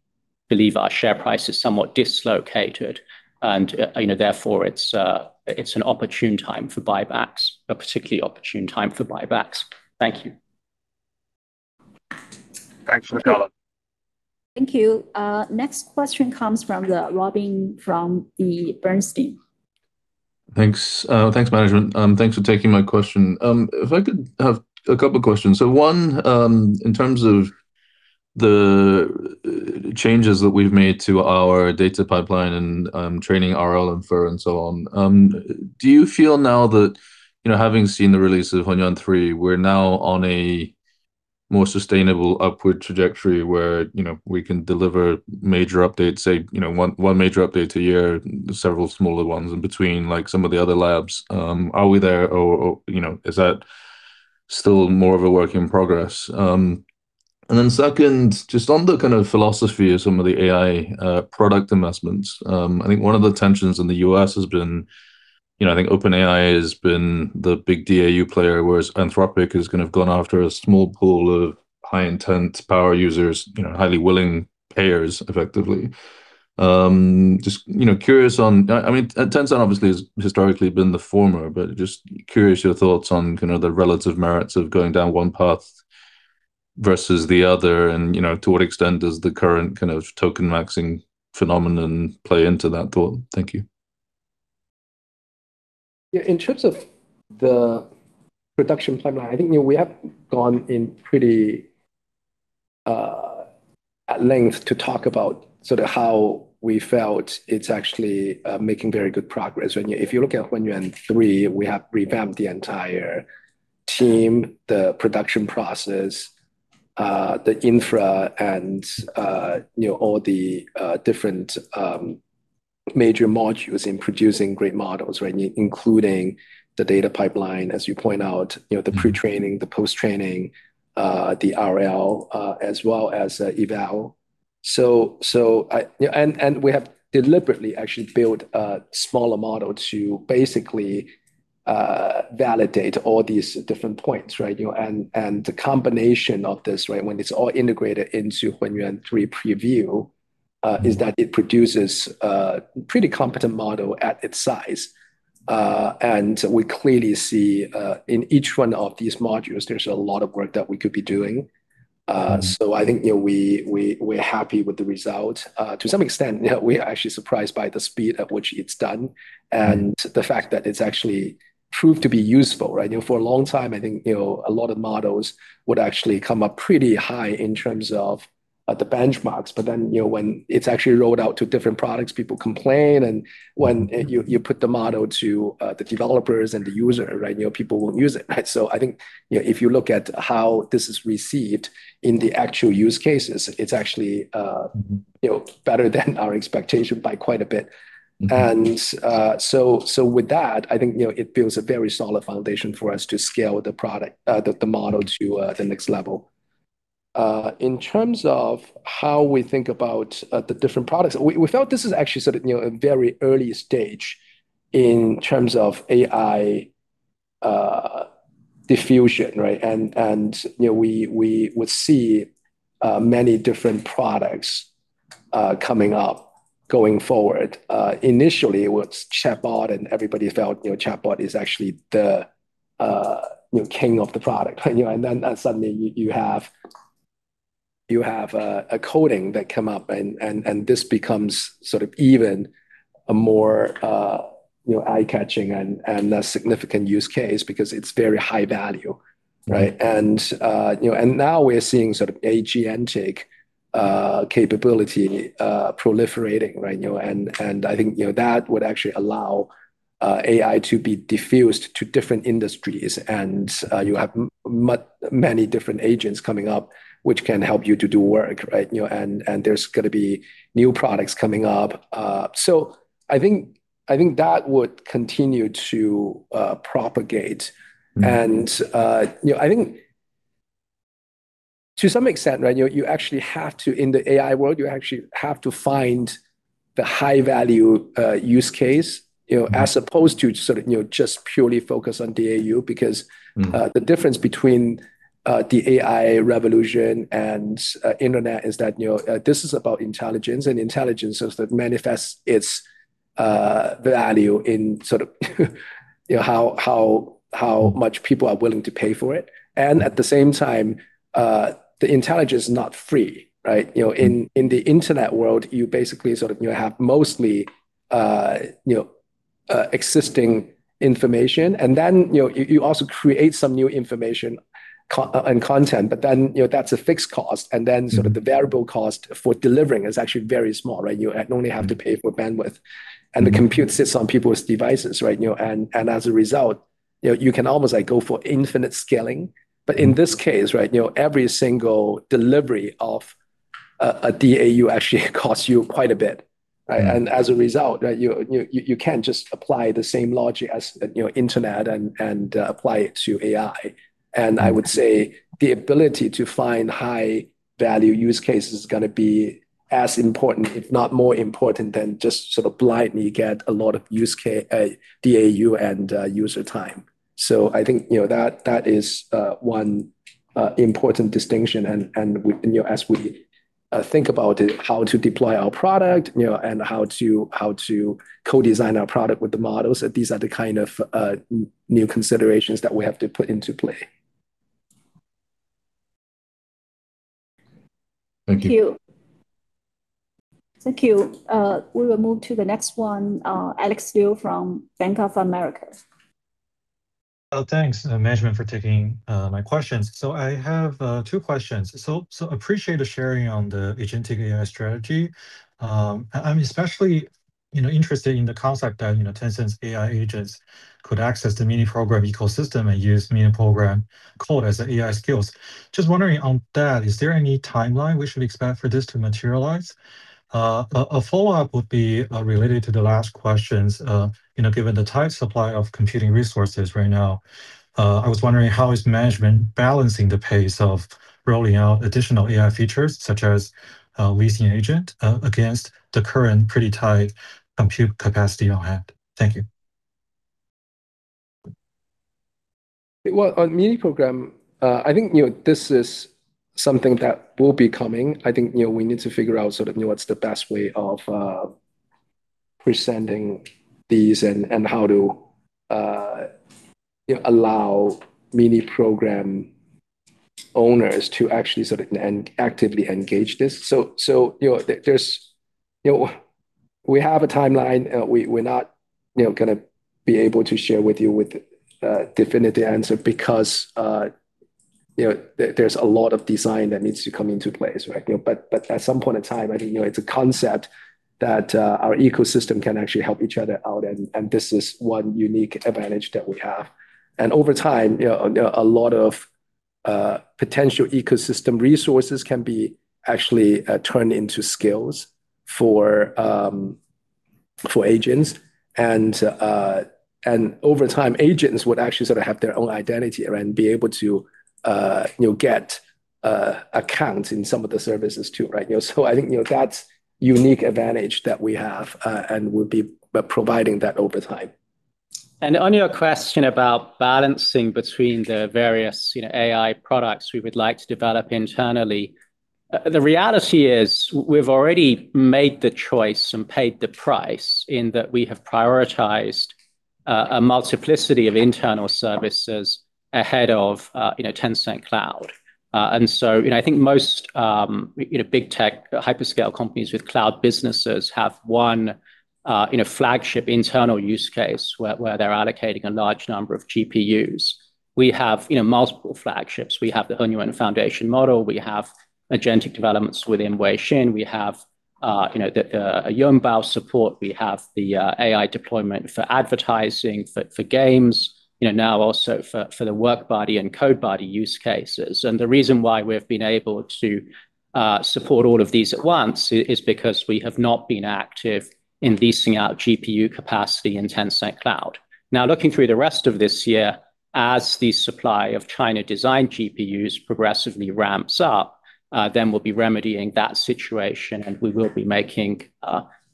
believe our share price is somewhat dislocated and, you know, therefore it's an opportune time for buybacks. A particularly opportune time for buybacks. Thank you. Thanks for the color. Thank you. Next question comes from the Robin from the Bernstein. Thanks. Thanks management. Thanks for taking my question. If I could have a couple questions. One, in terms of the changes that we've made to our data pipeline and training RL infer and so on, do you feel now that, you know, having seen the release of Hunyuan 3, we're now on a more sustainable upward trajectory where, you know, we can deliver major updates, say, you know, one major update a year, several smaller ones in between, like some of the other labs, are we there or, you know, is that still more of a work in progress? Second, just on the kind of philosophy of some of the AI product investments, I think one of the tensions in the U.S. has been, you know, I think OpenAI has been the big DAU player, whereas Anthropic has kind of gone after a small pool of high intent power users, you know, highly willing payers effectively. Just, you know, curious on, I mean, it turns out obviously has historically been the former, but just curious your thoughts on kind of the relative merits of going down one path versus the other and, you know, to what extent does the current kind of token maxing phenomenon play into that thought? Thank you. In terms of the production pipeline, I think, you know, we have gone in pretty at length to talk about sort of how we felt it's actually making very good progress. If you look at Hunyuan 3, we have revamped the entire team, the production process, the infra and, you know, all the different major modules in producing great models, right? Including the data pipeline, as you point out, you know, the pre-training, the post-training, the RL, as well as eval. We have deliberately actually built a smaller model to basically validate all these different points, right? The combination of this, right, when it's all integrated into Hunyuan 3 preview, is that it produces a pretty competent model at its size. We clearly see in each one of these modules, there's a lot of work that we could be doing. I think, you know, we're happy with the result. To some extent, you know, we are actually surprised by the speed at which it's done and the fact that it's actually proved to be useful, right? You know, for a long time, I think, you know, a lot of models would actually come up pretty high in terms of the benchmarks, you know, when it's actually rolled out to different products, people complain. When you put the model to the developers and the user, right, you know, people won't use it, right? I think, you know, if you look at how this is received in the actual use cases, it's actually, you know, better than our expectation by quite a bit. With that, I think, you know, it builds a very solid foundation for us to scale the model to the next level. In terms of how we think about the different products, we felt this is actually sort of, you know, a very early stage in terms of AI diffusion, right? You know, we would see many different products coming up going forward. Initially, it was chatbot, and everybody felt, you know, chatbot is actually the, you know, king of the product, you know. Then, suddenly you have a coding that come up and this becomes sort of even a more, you know, eye-catching and a significant use case because it's very high value, right? You know, now we're seeing sort of agentic capability proliferating, right? You know, I think, you know, that would actually allow. AI to be diffused to different industries and you have many different agents coming up which can help you to do work, right? You know, there's gonna be new products coming up. I think that would continue to propagate. You know, I think to some extent, right, you know, In the AI world, you actually have to find the high value, use case, you know as opposed to sort of, you know, just purely focus on DAU. The difference between the AI revolution and internet is that, you know, this is about intelligence, and intelligence is what manifests its value in sort of, you know, how, how much people are willing to pay for it. At the same time, the intelligence is not free, right? You know, in the internet world, you basically sort of, you know, have mostly, you know, existing information and then, you know, you also create some new information and content, that's a fixed cost. Sort of the variable cost for delivering is actually very small, right? You only have to pay for bandwidth. The compute sits on people's devices, right? You know, and as a result, you know, you can almost like go for infinite scaling. In this case, right, you know, every single delivery of a DAU actually costs you quite a bit, right? As a result, right, you can't just apply the same logic as, you know, internet and apply it to AI. I would say the ability to find high value use cases is gonna be as important, if not more important, than just sort of blindly get a lot of DAU and user time. I think, you know, that is one important distinction. We, you know, as we think about it, how to deploy our product, you know, and how to co-design our product with the models, these are the kind of new considerations that we have to put into play. Thank you. Thank you. Thank you. We will move to the next one, Alex Liu from Bank of America. Oh, thanks, management for taking my questions. I have two questions. Appreciate the sharing on the agentic AI strategy. I'm especially, you know, interested in the concept that, you know, Tencent's AI agents could access the Mini Program ecosystem and use Mini Program code as the AI Skills. Just wondering on that, is there any timeline we should expect for this to materialize? A follow-up would be related to the last questions. You know, given the tight supply of computing resources right now, I was wondering how is management balancing the pace of rolling out additional AI features, such as leasing agent, against the current pretty tight compute capacity on hand? Thank you. Well, on Mini Program, I think, you know, this is something that will be coming. I think, you know, we need to figure out sort of, you know, what's the best way of presenting these and how to, you know, allow Mini Program owners to actually actively engage this. You know, there's, you know, we have a timeline. We're not, you know, gonna be able to share with you with a definitive answer because, you know, there's a lot of design that needs to come into place, right? You know, at some point in time, I think, you know, it's a concept that our ecosystem can actually help each other out, and this is one unique advantage that we have. Over time, you know, a lot of potential ecosystem resources can be actually turned into skills for agents. Over time, agents would actually sort of have their own identity and be able to, you know, get accounts in some of the services too, right? I think, you know, that's unique advantage that we have, and we'll be providing that over time. On your question about balancing between the various, you know, AI products we would like to develop internally, the reality is we've already made the choice and paid the price in that we have prioritized a multiplicity of internal services ahead of, you know, Tencent Cloud. You know, I think most, you know, big tech hyperscale companies with Cloud businesses have one, you know, flagship internal use case where they're allocating a large number of GPUs. We have, you know, multiple flagships. We have the Hunyuan foundation model. We have agentic developments within Weixin. We have, you know, the Yuanbao support. We have the AI deployment for advertising, for games, you know, now also for the WorkBuddy and CodeBuddy use cases. The reason why we've been able to support all of these at once is because we have not been active in leasing out GPU capacity in Tencent Cloud. Looking through the rest of this year, as the supply of China design GPUs progressively ramps up, we'll be remedying that situation, we will be making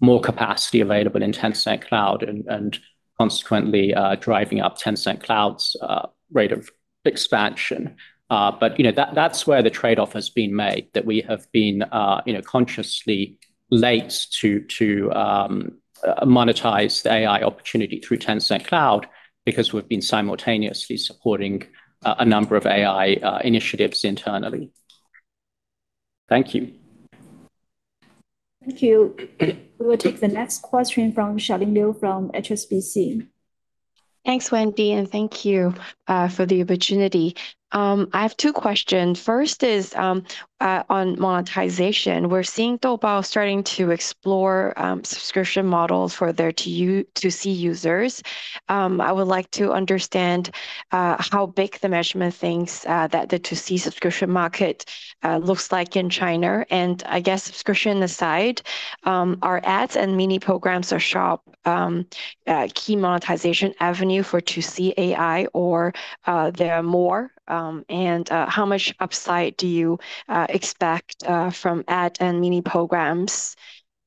more capacity available in Tencent Cloud and consequently driving up Tencent Cloud's rate of expansion. You know, that's where the trade-off has been made, that we have been, you know, consciously late to monetize the AI opportunity through Tencent Cloud because we've been simultaneously supporting a number of AI initiatives internally. Thank you. Thank you. We will take the next question from Charlene Liu from HSBC. Thanks, Wendy, thank you for the opportunity. I have two questions. First is on monetization. We're seeing Doubao starting to explore subscription models for their to C users. I would like to understand how big the management thinks that the to C subscription market looks like in China. I guess subscription aside, are ads and Mini Programs or shop key monetization avenue for to C AI or there are more, how much upside do you expect from ad and Mini Programs?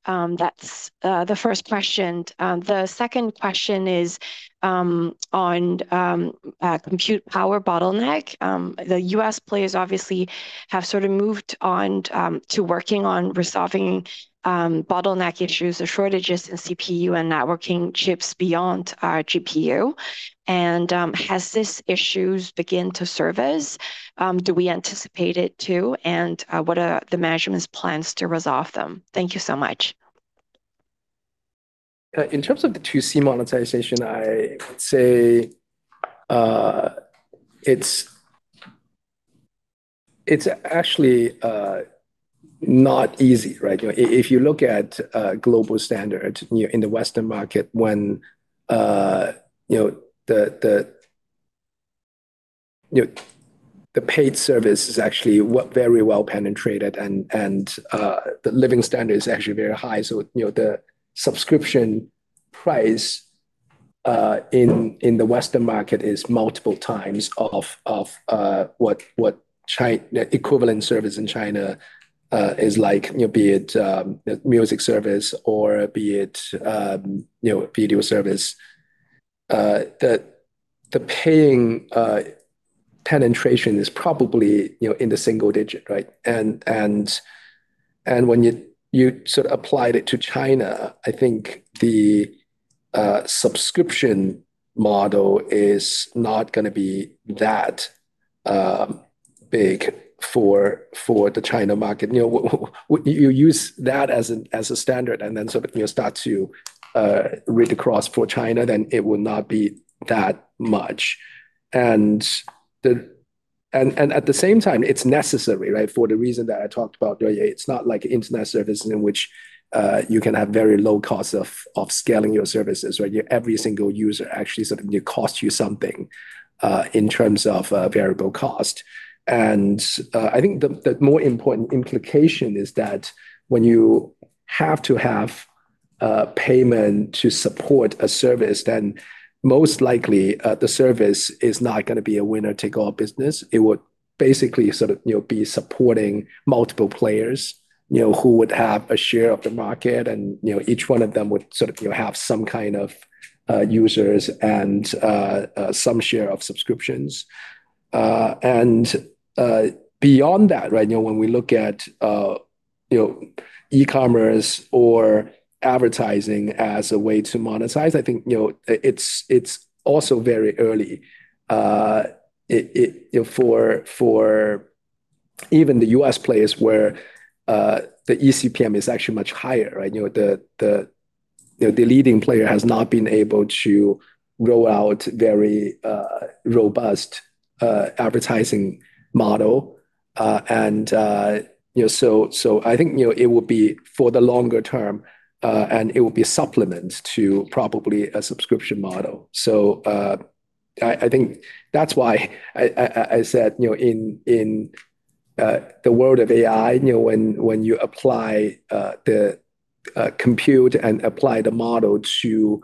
That's the first question. The second question is on compute power bottleneck. The U.S. players obviously have sort of moved on to working on resolving bottleneck issues or shortages in CPU and networking chips beyond GPU. Has these issues begin to surface? Do we anticipate it to? What are the management's plans to resolve them? Thank you so much. In terms of the to C monetization, I would say, it's actually not easy, right. If you look at global standard in the Western market when the paid service is actually very well penetrated and the living standard is actually very high. The subscription price in the Western market is multiple times of what the equivalent service in China is like, be it music service or be it video service. The paying penetration is probably in the single digit, right. When you sort of applied it to China, I think the subscription model is not gonna be that big for the China market. You know, you use that as a standard and then sort of, you know, start to read across for China, then it will not be that much. At the same time, it's necessary, right? For the reason that I talked about earlier. It's not like internet services in which you can have very low cost of scaling your services, right? Your every single user actually sort of cost you something in terms of variable cost. I think the more important implication is that when you have to have payment to support a service, then most likely, the service is not gonna be a winner-take-all business. It would basically sort of, you know, be supporting multiple players, you know, who would have a share of the market and, you know, each one of them would sort of, you know, have some kind of users and some share of subscriptions. Beyond that, right, you know, when we look at, eCommerce or advertising as a way to monetize, I think, you know, it's also very early, you know, for even the U.S. players where, the eCPM is actually much higher, right? You know, the, you know, the leading player has not been able to roll out very, robust, advertising model. You know, so I think, you know, it would be for the longer term, and it would be a supplement to probably a subscription model. I said, you know, in the world of AI, you know, when you apply the compute and apply the model to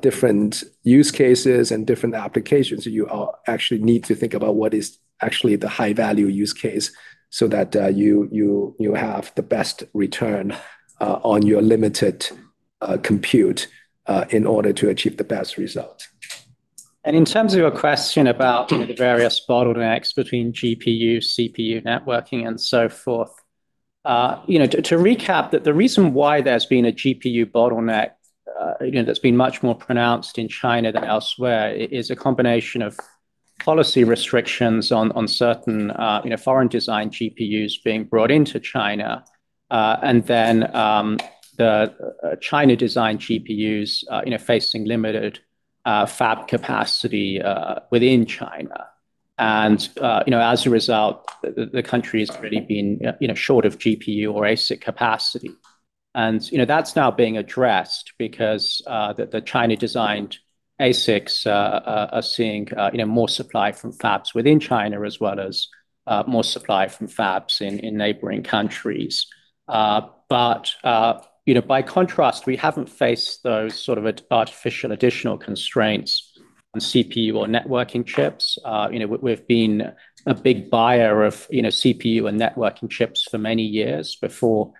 different use cases and different applications, you actually need to think about what is actually the high-value use case so that you have the best return on your limited compute in order to achieve the best result. In terms of your question about the various bottlenecks between GPU, CPU networking, and so forth, you know, to recap that the reason why there's been a GPU bottleneck, you know, that's been much more pronounced in China than elsewhere is a combination of policy restrictions on certain, you know, foreign design GPUs being brought into China. The China design GPUs, you know, facing limited fab capacity within China. You know, as a result, the country has really been, you know, short of GPU or ASIC capacity. You know, that's now being addressed because the China designed ASICs are seeing, you know, more supply from fabs within China as well as more supply from fabs in neighboring countries. You know, by contrast, we haven't faced those sort of artificial additional constraints on CPU or networking chips. You know, we've been a big buyer of, you know, CPU and networking chips for many years before,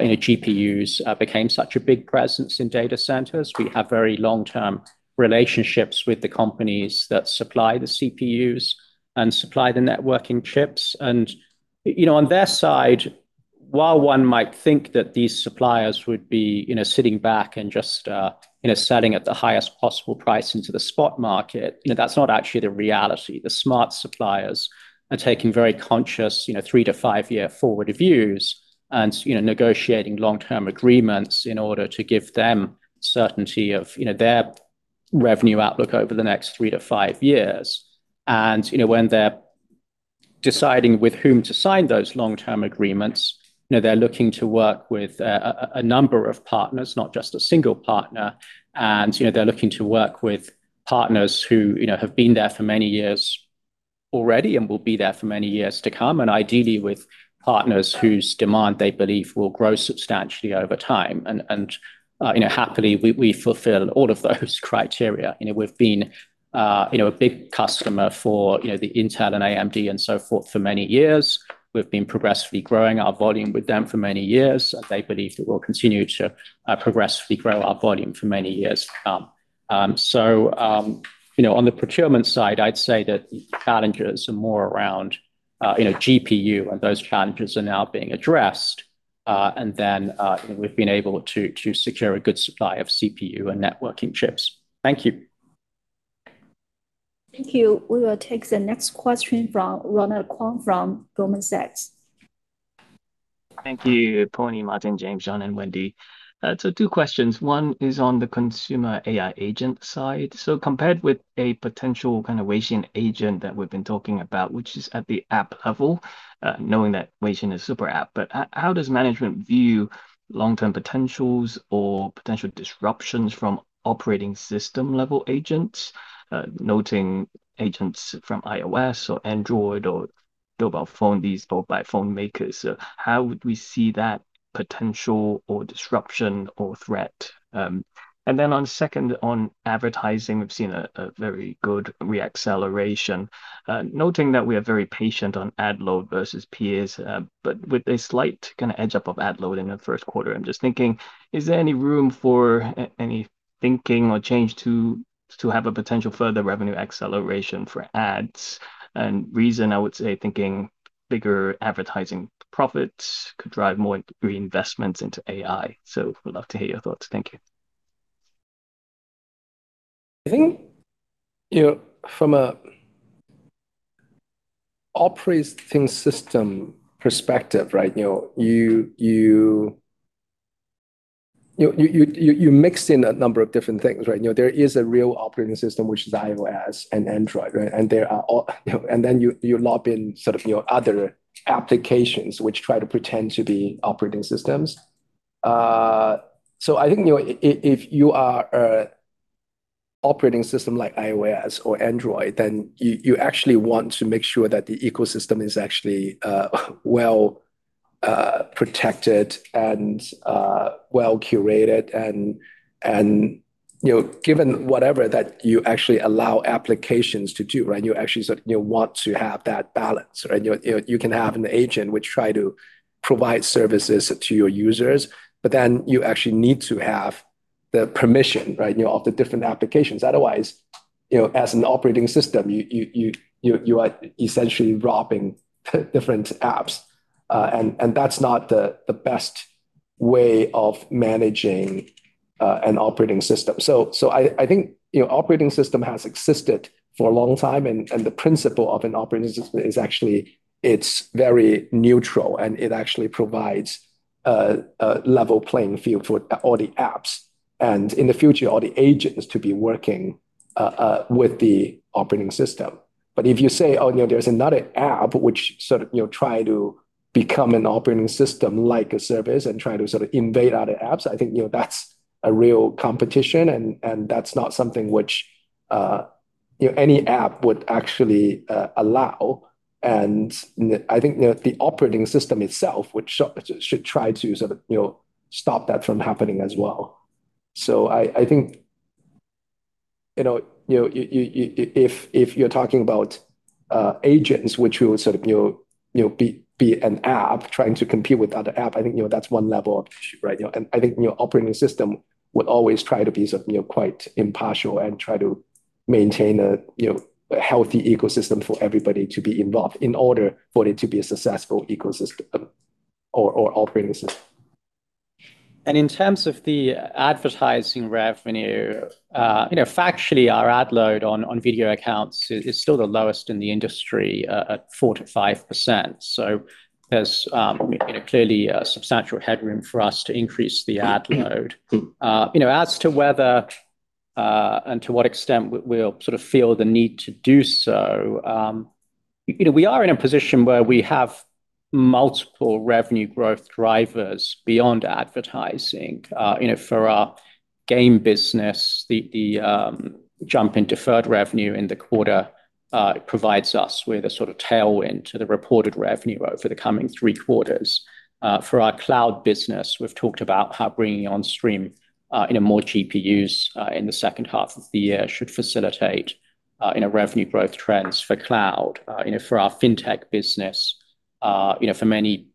you know, GPUs became such a big presence in data centers. We have very long-term relationships with the companies that supply the CPUs and supply the networking chips. You know, on their side, while one might think that these suppliers would be, you know, sitting back and just, you know, selling at the highest possible price into the spot market, you know, that's not actually the reality. The smart suppliers are taking very conscious, you know, three to five-year forward views and, you know, negotiating long-term agreements in order to give them certainty of, you know, their revenue outlook over the next three to five years. You know, when deciding with whom to sign those long-term agreements. You know, they're looking to work with a number of partners, not just a single partner. You know, they're looking to work with partners who, you know, have been there for many years already and will be there for many years to come, and ideally with partners whose demand they believe will grow substantially over time. You know, happily, we fulfill all of those criteria. You know, we've been, you know, a big customer for, you know, the Intel and AMD and so forth for many years. We've been progressively growing our volume with them for many years. They believe we will continue to progressively grow our volume for many years to come. You know, on the procurement side, I'd say that the challenges are more around, you know, GPU, and those challenges are now being addressed. You know, we've been able to secure a good supply of CPU and networking chips. Thank you. Thank you. We will take the next question from Ronald Keung from Goldman Sachs. Thank you Pony, Martin, James, John, and Wendy. Two questions. One is on the consumer AI agent side. Compared with a potential kind of Weixin agent that we've been talking about, which is at the app level, knowing that Weixin is super app. How does management view long-term potentials or potential disruptions from operating system level agents, noting agents from iOS or Android or mobile phone, or by phone makers? How would we see that potential or disruption or threat? On second, on advertising, we've seen a very good re-acceleration, noting that we are very patient on ad load versus peers, with a slight kind of edge up of ad load in the first quarter. I'm just thinking, is there any room for any thinking or change to have a potential further revenue acceleration for ads? Reason, I would say thinking bigger advertising profits could drive more reinvestments into AI. Would love to hear your thoughts. Thank you. I think, you know, from a operating system perspective, right, you know, you mixing a number of different things, right? You know, there is a real operating system which is iOS and Android, right? There are all, you know, and then you log in sort of, you know, other applications which try to pretend to be operating systems. I think, you know, if you are a operating system like iOS or Android, then you actually want to make sure that the ecosystem is actually well protected and well curated and, you know, given whatever that you actually allow applications to do, right? You actually sort of, you know, want to have that balance, right? You know, you can have an agent which try to provide services to your users, but then you actually need to have the permission, right, you know, of the different applications. Otherwise, you know, as an operating system, you are essentially robbing different apps. That's not the best way of managing an operating system. I think, you know, operating system has existed for a long time and the principle of an operating system is actually it's very neutral, and it actually provides a level playing field for all the apps and in the future, all the agents to be working with the operating system. If you say, "Oh, you know, there's another app which sort of, you know, try to become an operating system like a service and try to sort of invade other apps," I think, you know, that's a real competition and that's not something which, you know, any app would actually allow. I think, you know, the operating system itself, which should try to sort of, you know, stop that from happening as well. I think, you know, you know, if you're talking about agents which will sort of, you know, be an app trying to compete with other app, I think, you know, that's one level of issue, right? You know, I think, you know, operating system would always try to be sort of, you know, quite impartial and try to maintain a, you know, a healthy ecosystem for everybody to be involved in order for it to be a successful ecosystem or operating system. In terms of the advertising revenue, you know, factually our ad load on Video Accounts is still the lowest in the industry, at 4%-5%. There's, you know, clearly a substantial headroom for us to increase the ad load. You know, as to whether, and to what extent we'll sort of feel the need to do so, you know, we are in a position where we have multiple revenue growth drivers beyond advertising. You know, for our game business, the jump in deferred revenue in the quarter provides us with a sort of tailwind to the reported revenue over the coming three quarters. For our Cloud business, we've talked about how bringing on stream, you know, more GPUs, in the second half of the year should facilitate, you know, revenue growth trends for Cloud. You know, for our Fintech business, you know, for many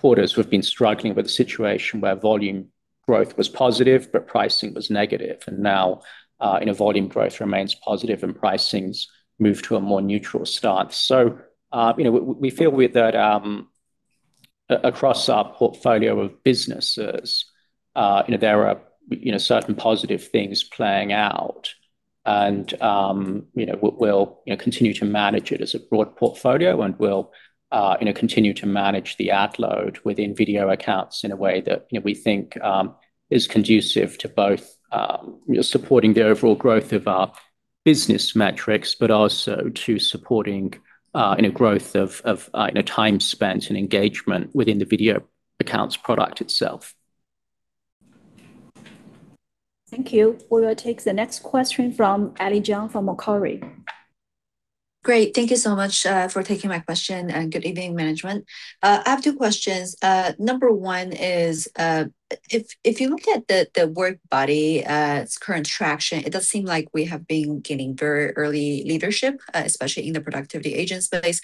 quarters we've been struggling with a situation where volume growth was positive, but pricing was negative. Now, you know, volume growth remains positive and pricing's moved to a more neutral stance. You know, we feel with that, across our portfolio of businesses, you know, there are, you know, certain positive things playing out and, you know, we'll, you know, continue to manage it as a broad portfolio and we'll, you know, continue to manage the ad load within Video Accounts in a way that, you know, we think, is conducive to both, you know, supporting the overall growth of our business metrics, but also to supporting, you know, growth of, you know, time spent and engagement within the Video Accounts product itself. Thank you. We will take the next question from Ellie Jiang from Macquarie. Great. Thank you so much for taking my question, and good evening management. I have two questions. Number one is, if you look at the WorkBuddy, its current traction, it does seem like we have been gaining very early leadership, especially in the productivity agent space.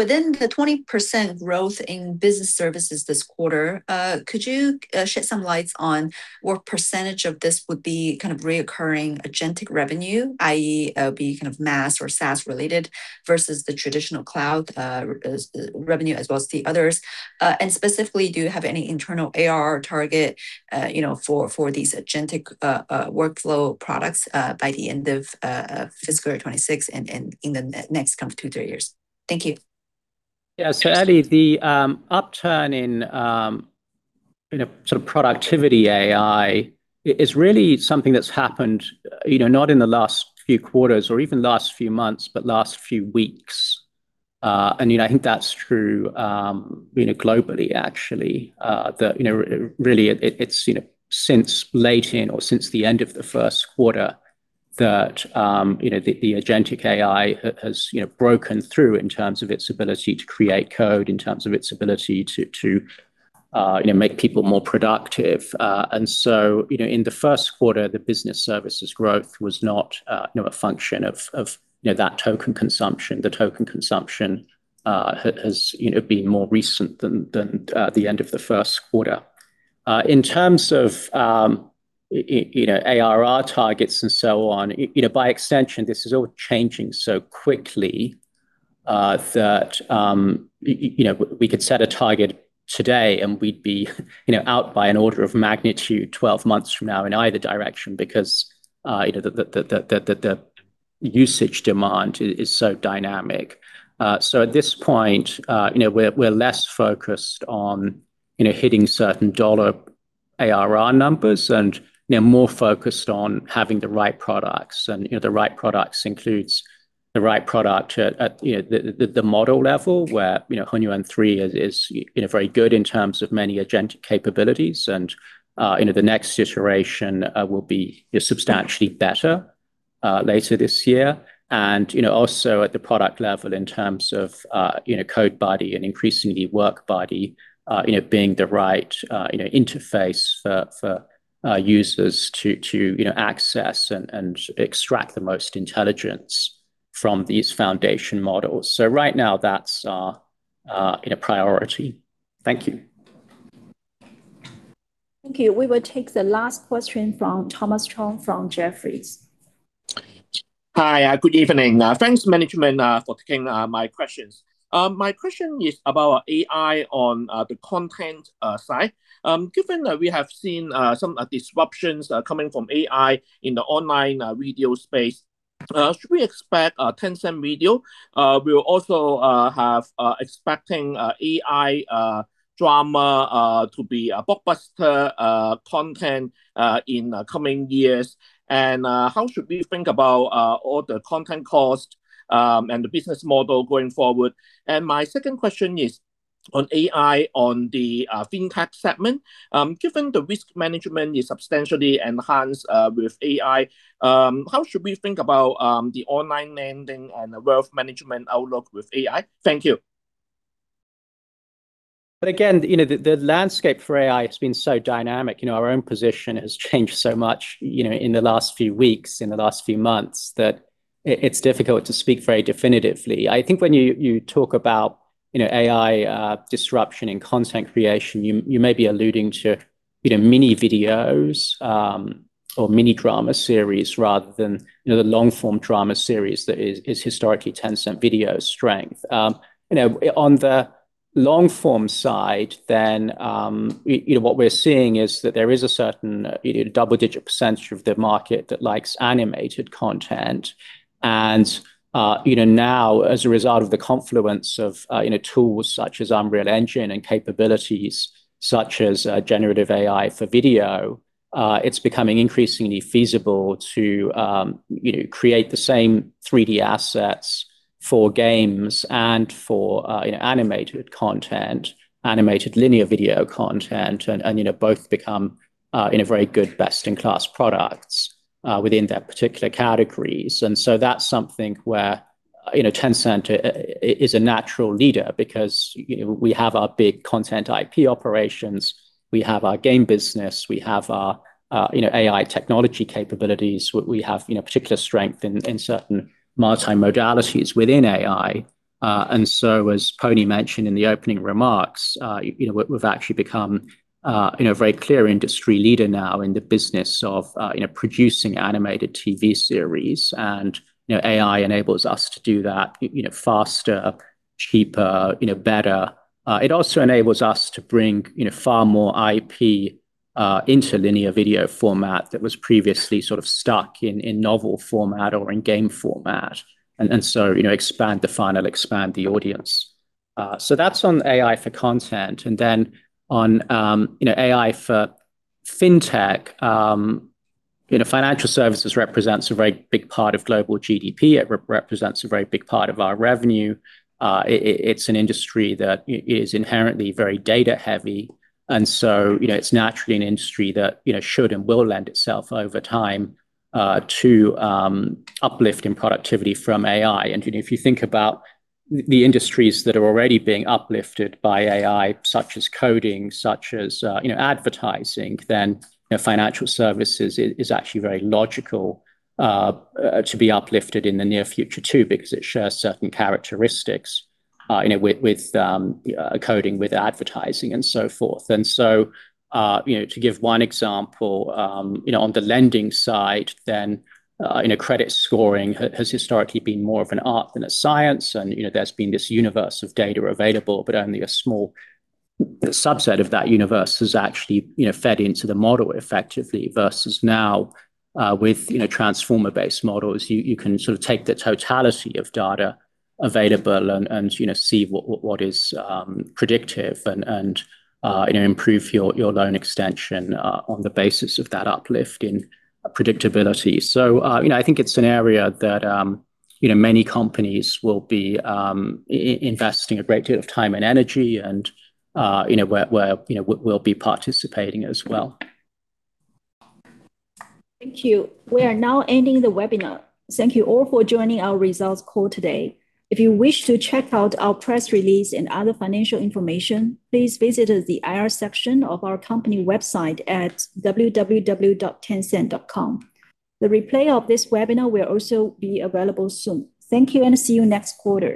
Within the 20% growth in Business Services this quarter, could you shed some lights on what percentage of this would be kind of reoccurring agentic revenue, i.e., be kind of mass or SaaS related versus the traditional Cloud revenue as well as the others? Specifically, do you have any internal ARR target, you know, for these agentic workflow products by the end of fiscal 2026 and in the next kind of two, three years? Thank you. Yeah. Ellie, the upturn in, you know, sort of productivity AI is really something that's happened, you know, not in the last few quarters or even last few months, but last few weeks. You know, I think that's true, you know, globally actually. The, you know, really it's, you know, since the end of the first quarter that, you know, the agentic AI has, you know, broken through in terms of its ability to create code, in terms of its ability to, you know, make people more productive. You know, in the first quarter, the Business Services growth was not, you know, a function of, you know, that token consumption. The token consumption has, you know, been more recent than the end of the first quarter. In terms of, you know, ARR targets and so on, you know, by extension, this is all changing so quickly that, you know, we could set a target today and we'd be, you know, out by an order of magnitude 12 months from now in either direction because, you know, the usage demand is so dynamic. At this point, you know, we're less focused on, you know, hitting certain dollar ARR numbers and, you know, more focused on having the right products. The right products includes the right product at, you know, the model level where, you know, Hunyuan 3 is, you know, very good in terms of many agentic capabilities. You know, the next iteration will be substantially better later this year. You know, also at the product level in terms of, you know, CodeBuddy and increasingly WorkBuddy, you know, being the right, you know, interface for users to, you know, access and extract the most intelligence from these foundation models. Right now that's our, you know, priority. Thank you. Thank you. We will take the last question from Thomas Chong from Jefferies. Hi, good evening. Thanks management, for taking my questions. My question is about AI on the content side. Given that we have seen some disruptions coming from AI in the online video space, should we expect Tencent Video will also have expecting AI drama to be a blockbuster content in the coming years? How should we think about all the content cost and the business model going forward? My second question is on AI on the FinTech segment. Given the risk management is substantially enhanced with AI, how should we think about the online lending and the wealth management outlook with AI? Thank you. Again, you know, the landscape for AI has been so dynamic. You know, our own position has changed so much, you know, in the last few weeks, in the last few months, that it's difficult to speak very definitively. I think when you talk about, you know, AI disruption in content creation, you may be alluding to, you know, mini videos, or mini drama series rather than, you know, the long form drama series that is historically Tencent Video's strength. You know, on the long form side then, you know, what we're seeing is that there is a certain, you know, double-digit percentage of the market that likes animated content. You know, now as a result of the confluence of, you know, tools such as Unreal Engine and capabilities such as generative AI for video, it's becoming increasingly feasible to, you know, create the same 3D assets for games and for, you know, animated content, animated linear video content. You know, both become, you know, very good best in class products within their particular categories. So that's something where, you know, Tencent is a natural leader because, you know, we have our big content IP operations, we have our game business, we have our, you know, AI technology capabilities. We have, you know, particular strength in certain multi-modalities within AI. As Pony mentioned in the opening remarks, you know, we've actually become, you know, a very clear industry leader now in the business of, you know, producing animated TV series. You know, AI enables us to do that, you know, faster, cheaper, you know, better. It also enables us to bring, you know, far more IP into linear video format that was previously sort of stuck in novel format or in game format. You know, expand the funnel, expand the audience. You know, AI for FinTech, you know, financial services represents a very big part of global GDP. It represents a very big part of our revenue. It's an industry that is inherently very data heavy. You know, it's naturally an industry that, you know, should and will lend itself over time to uplift in productivity from AI. You know, if you think about the industries that are already being uplifted by AI, such as coding, such as, you know, advertising, then, you know, financial services is actually very logical to be uplifted in the near future too, because it shares certain characteristics, you know, with coding, with advertising and so forth. You know, to give one example, you know, on the lending side then, you know, credit scoring has historically been more of an art than a science. You know, there's been this universe of data available, but only a small subset of that universe is actually, you know, fed into the model effectively. Versus now, with, you know, transformer-based models, you can sort of take the totality of data available and, you know, see what is predictive and, you know, improve your loan extension on the basis of that uplift in predictability. You know, I think it's an area that, you know, many companies will be investing a great deal of time and energy and, you know, we're, you know, we'll be participating as well. Thank you. We are now ending the webinar. Thank you all for joining our results call today. If you wish to check out our press release and other financial information, please visit the IR section of our company website at www.tencent.com. The replay of this webinar will also be available soon. Thank you, and see you next quarter.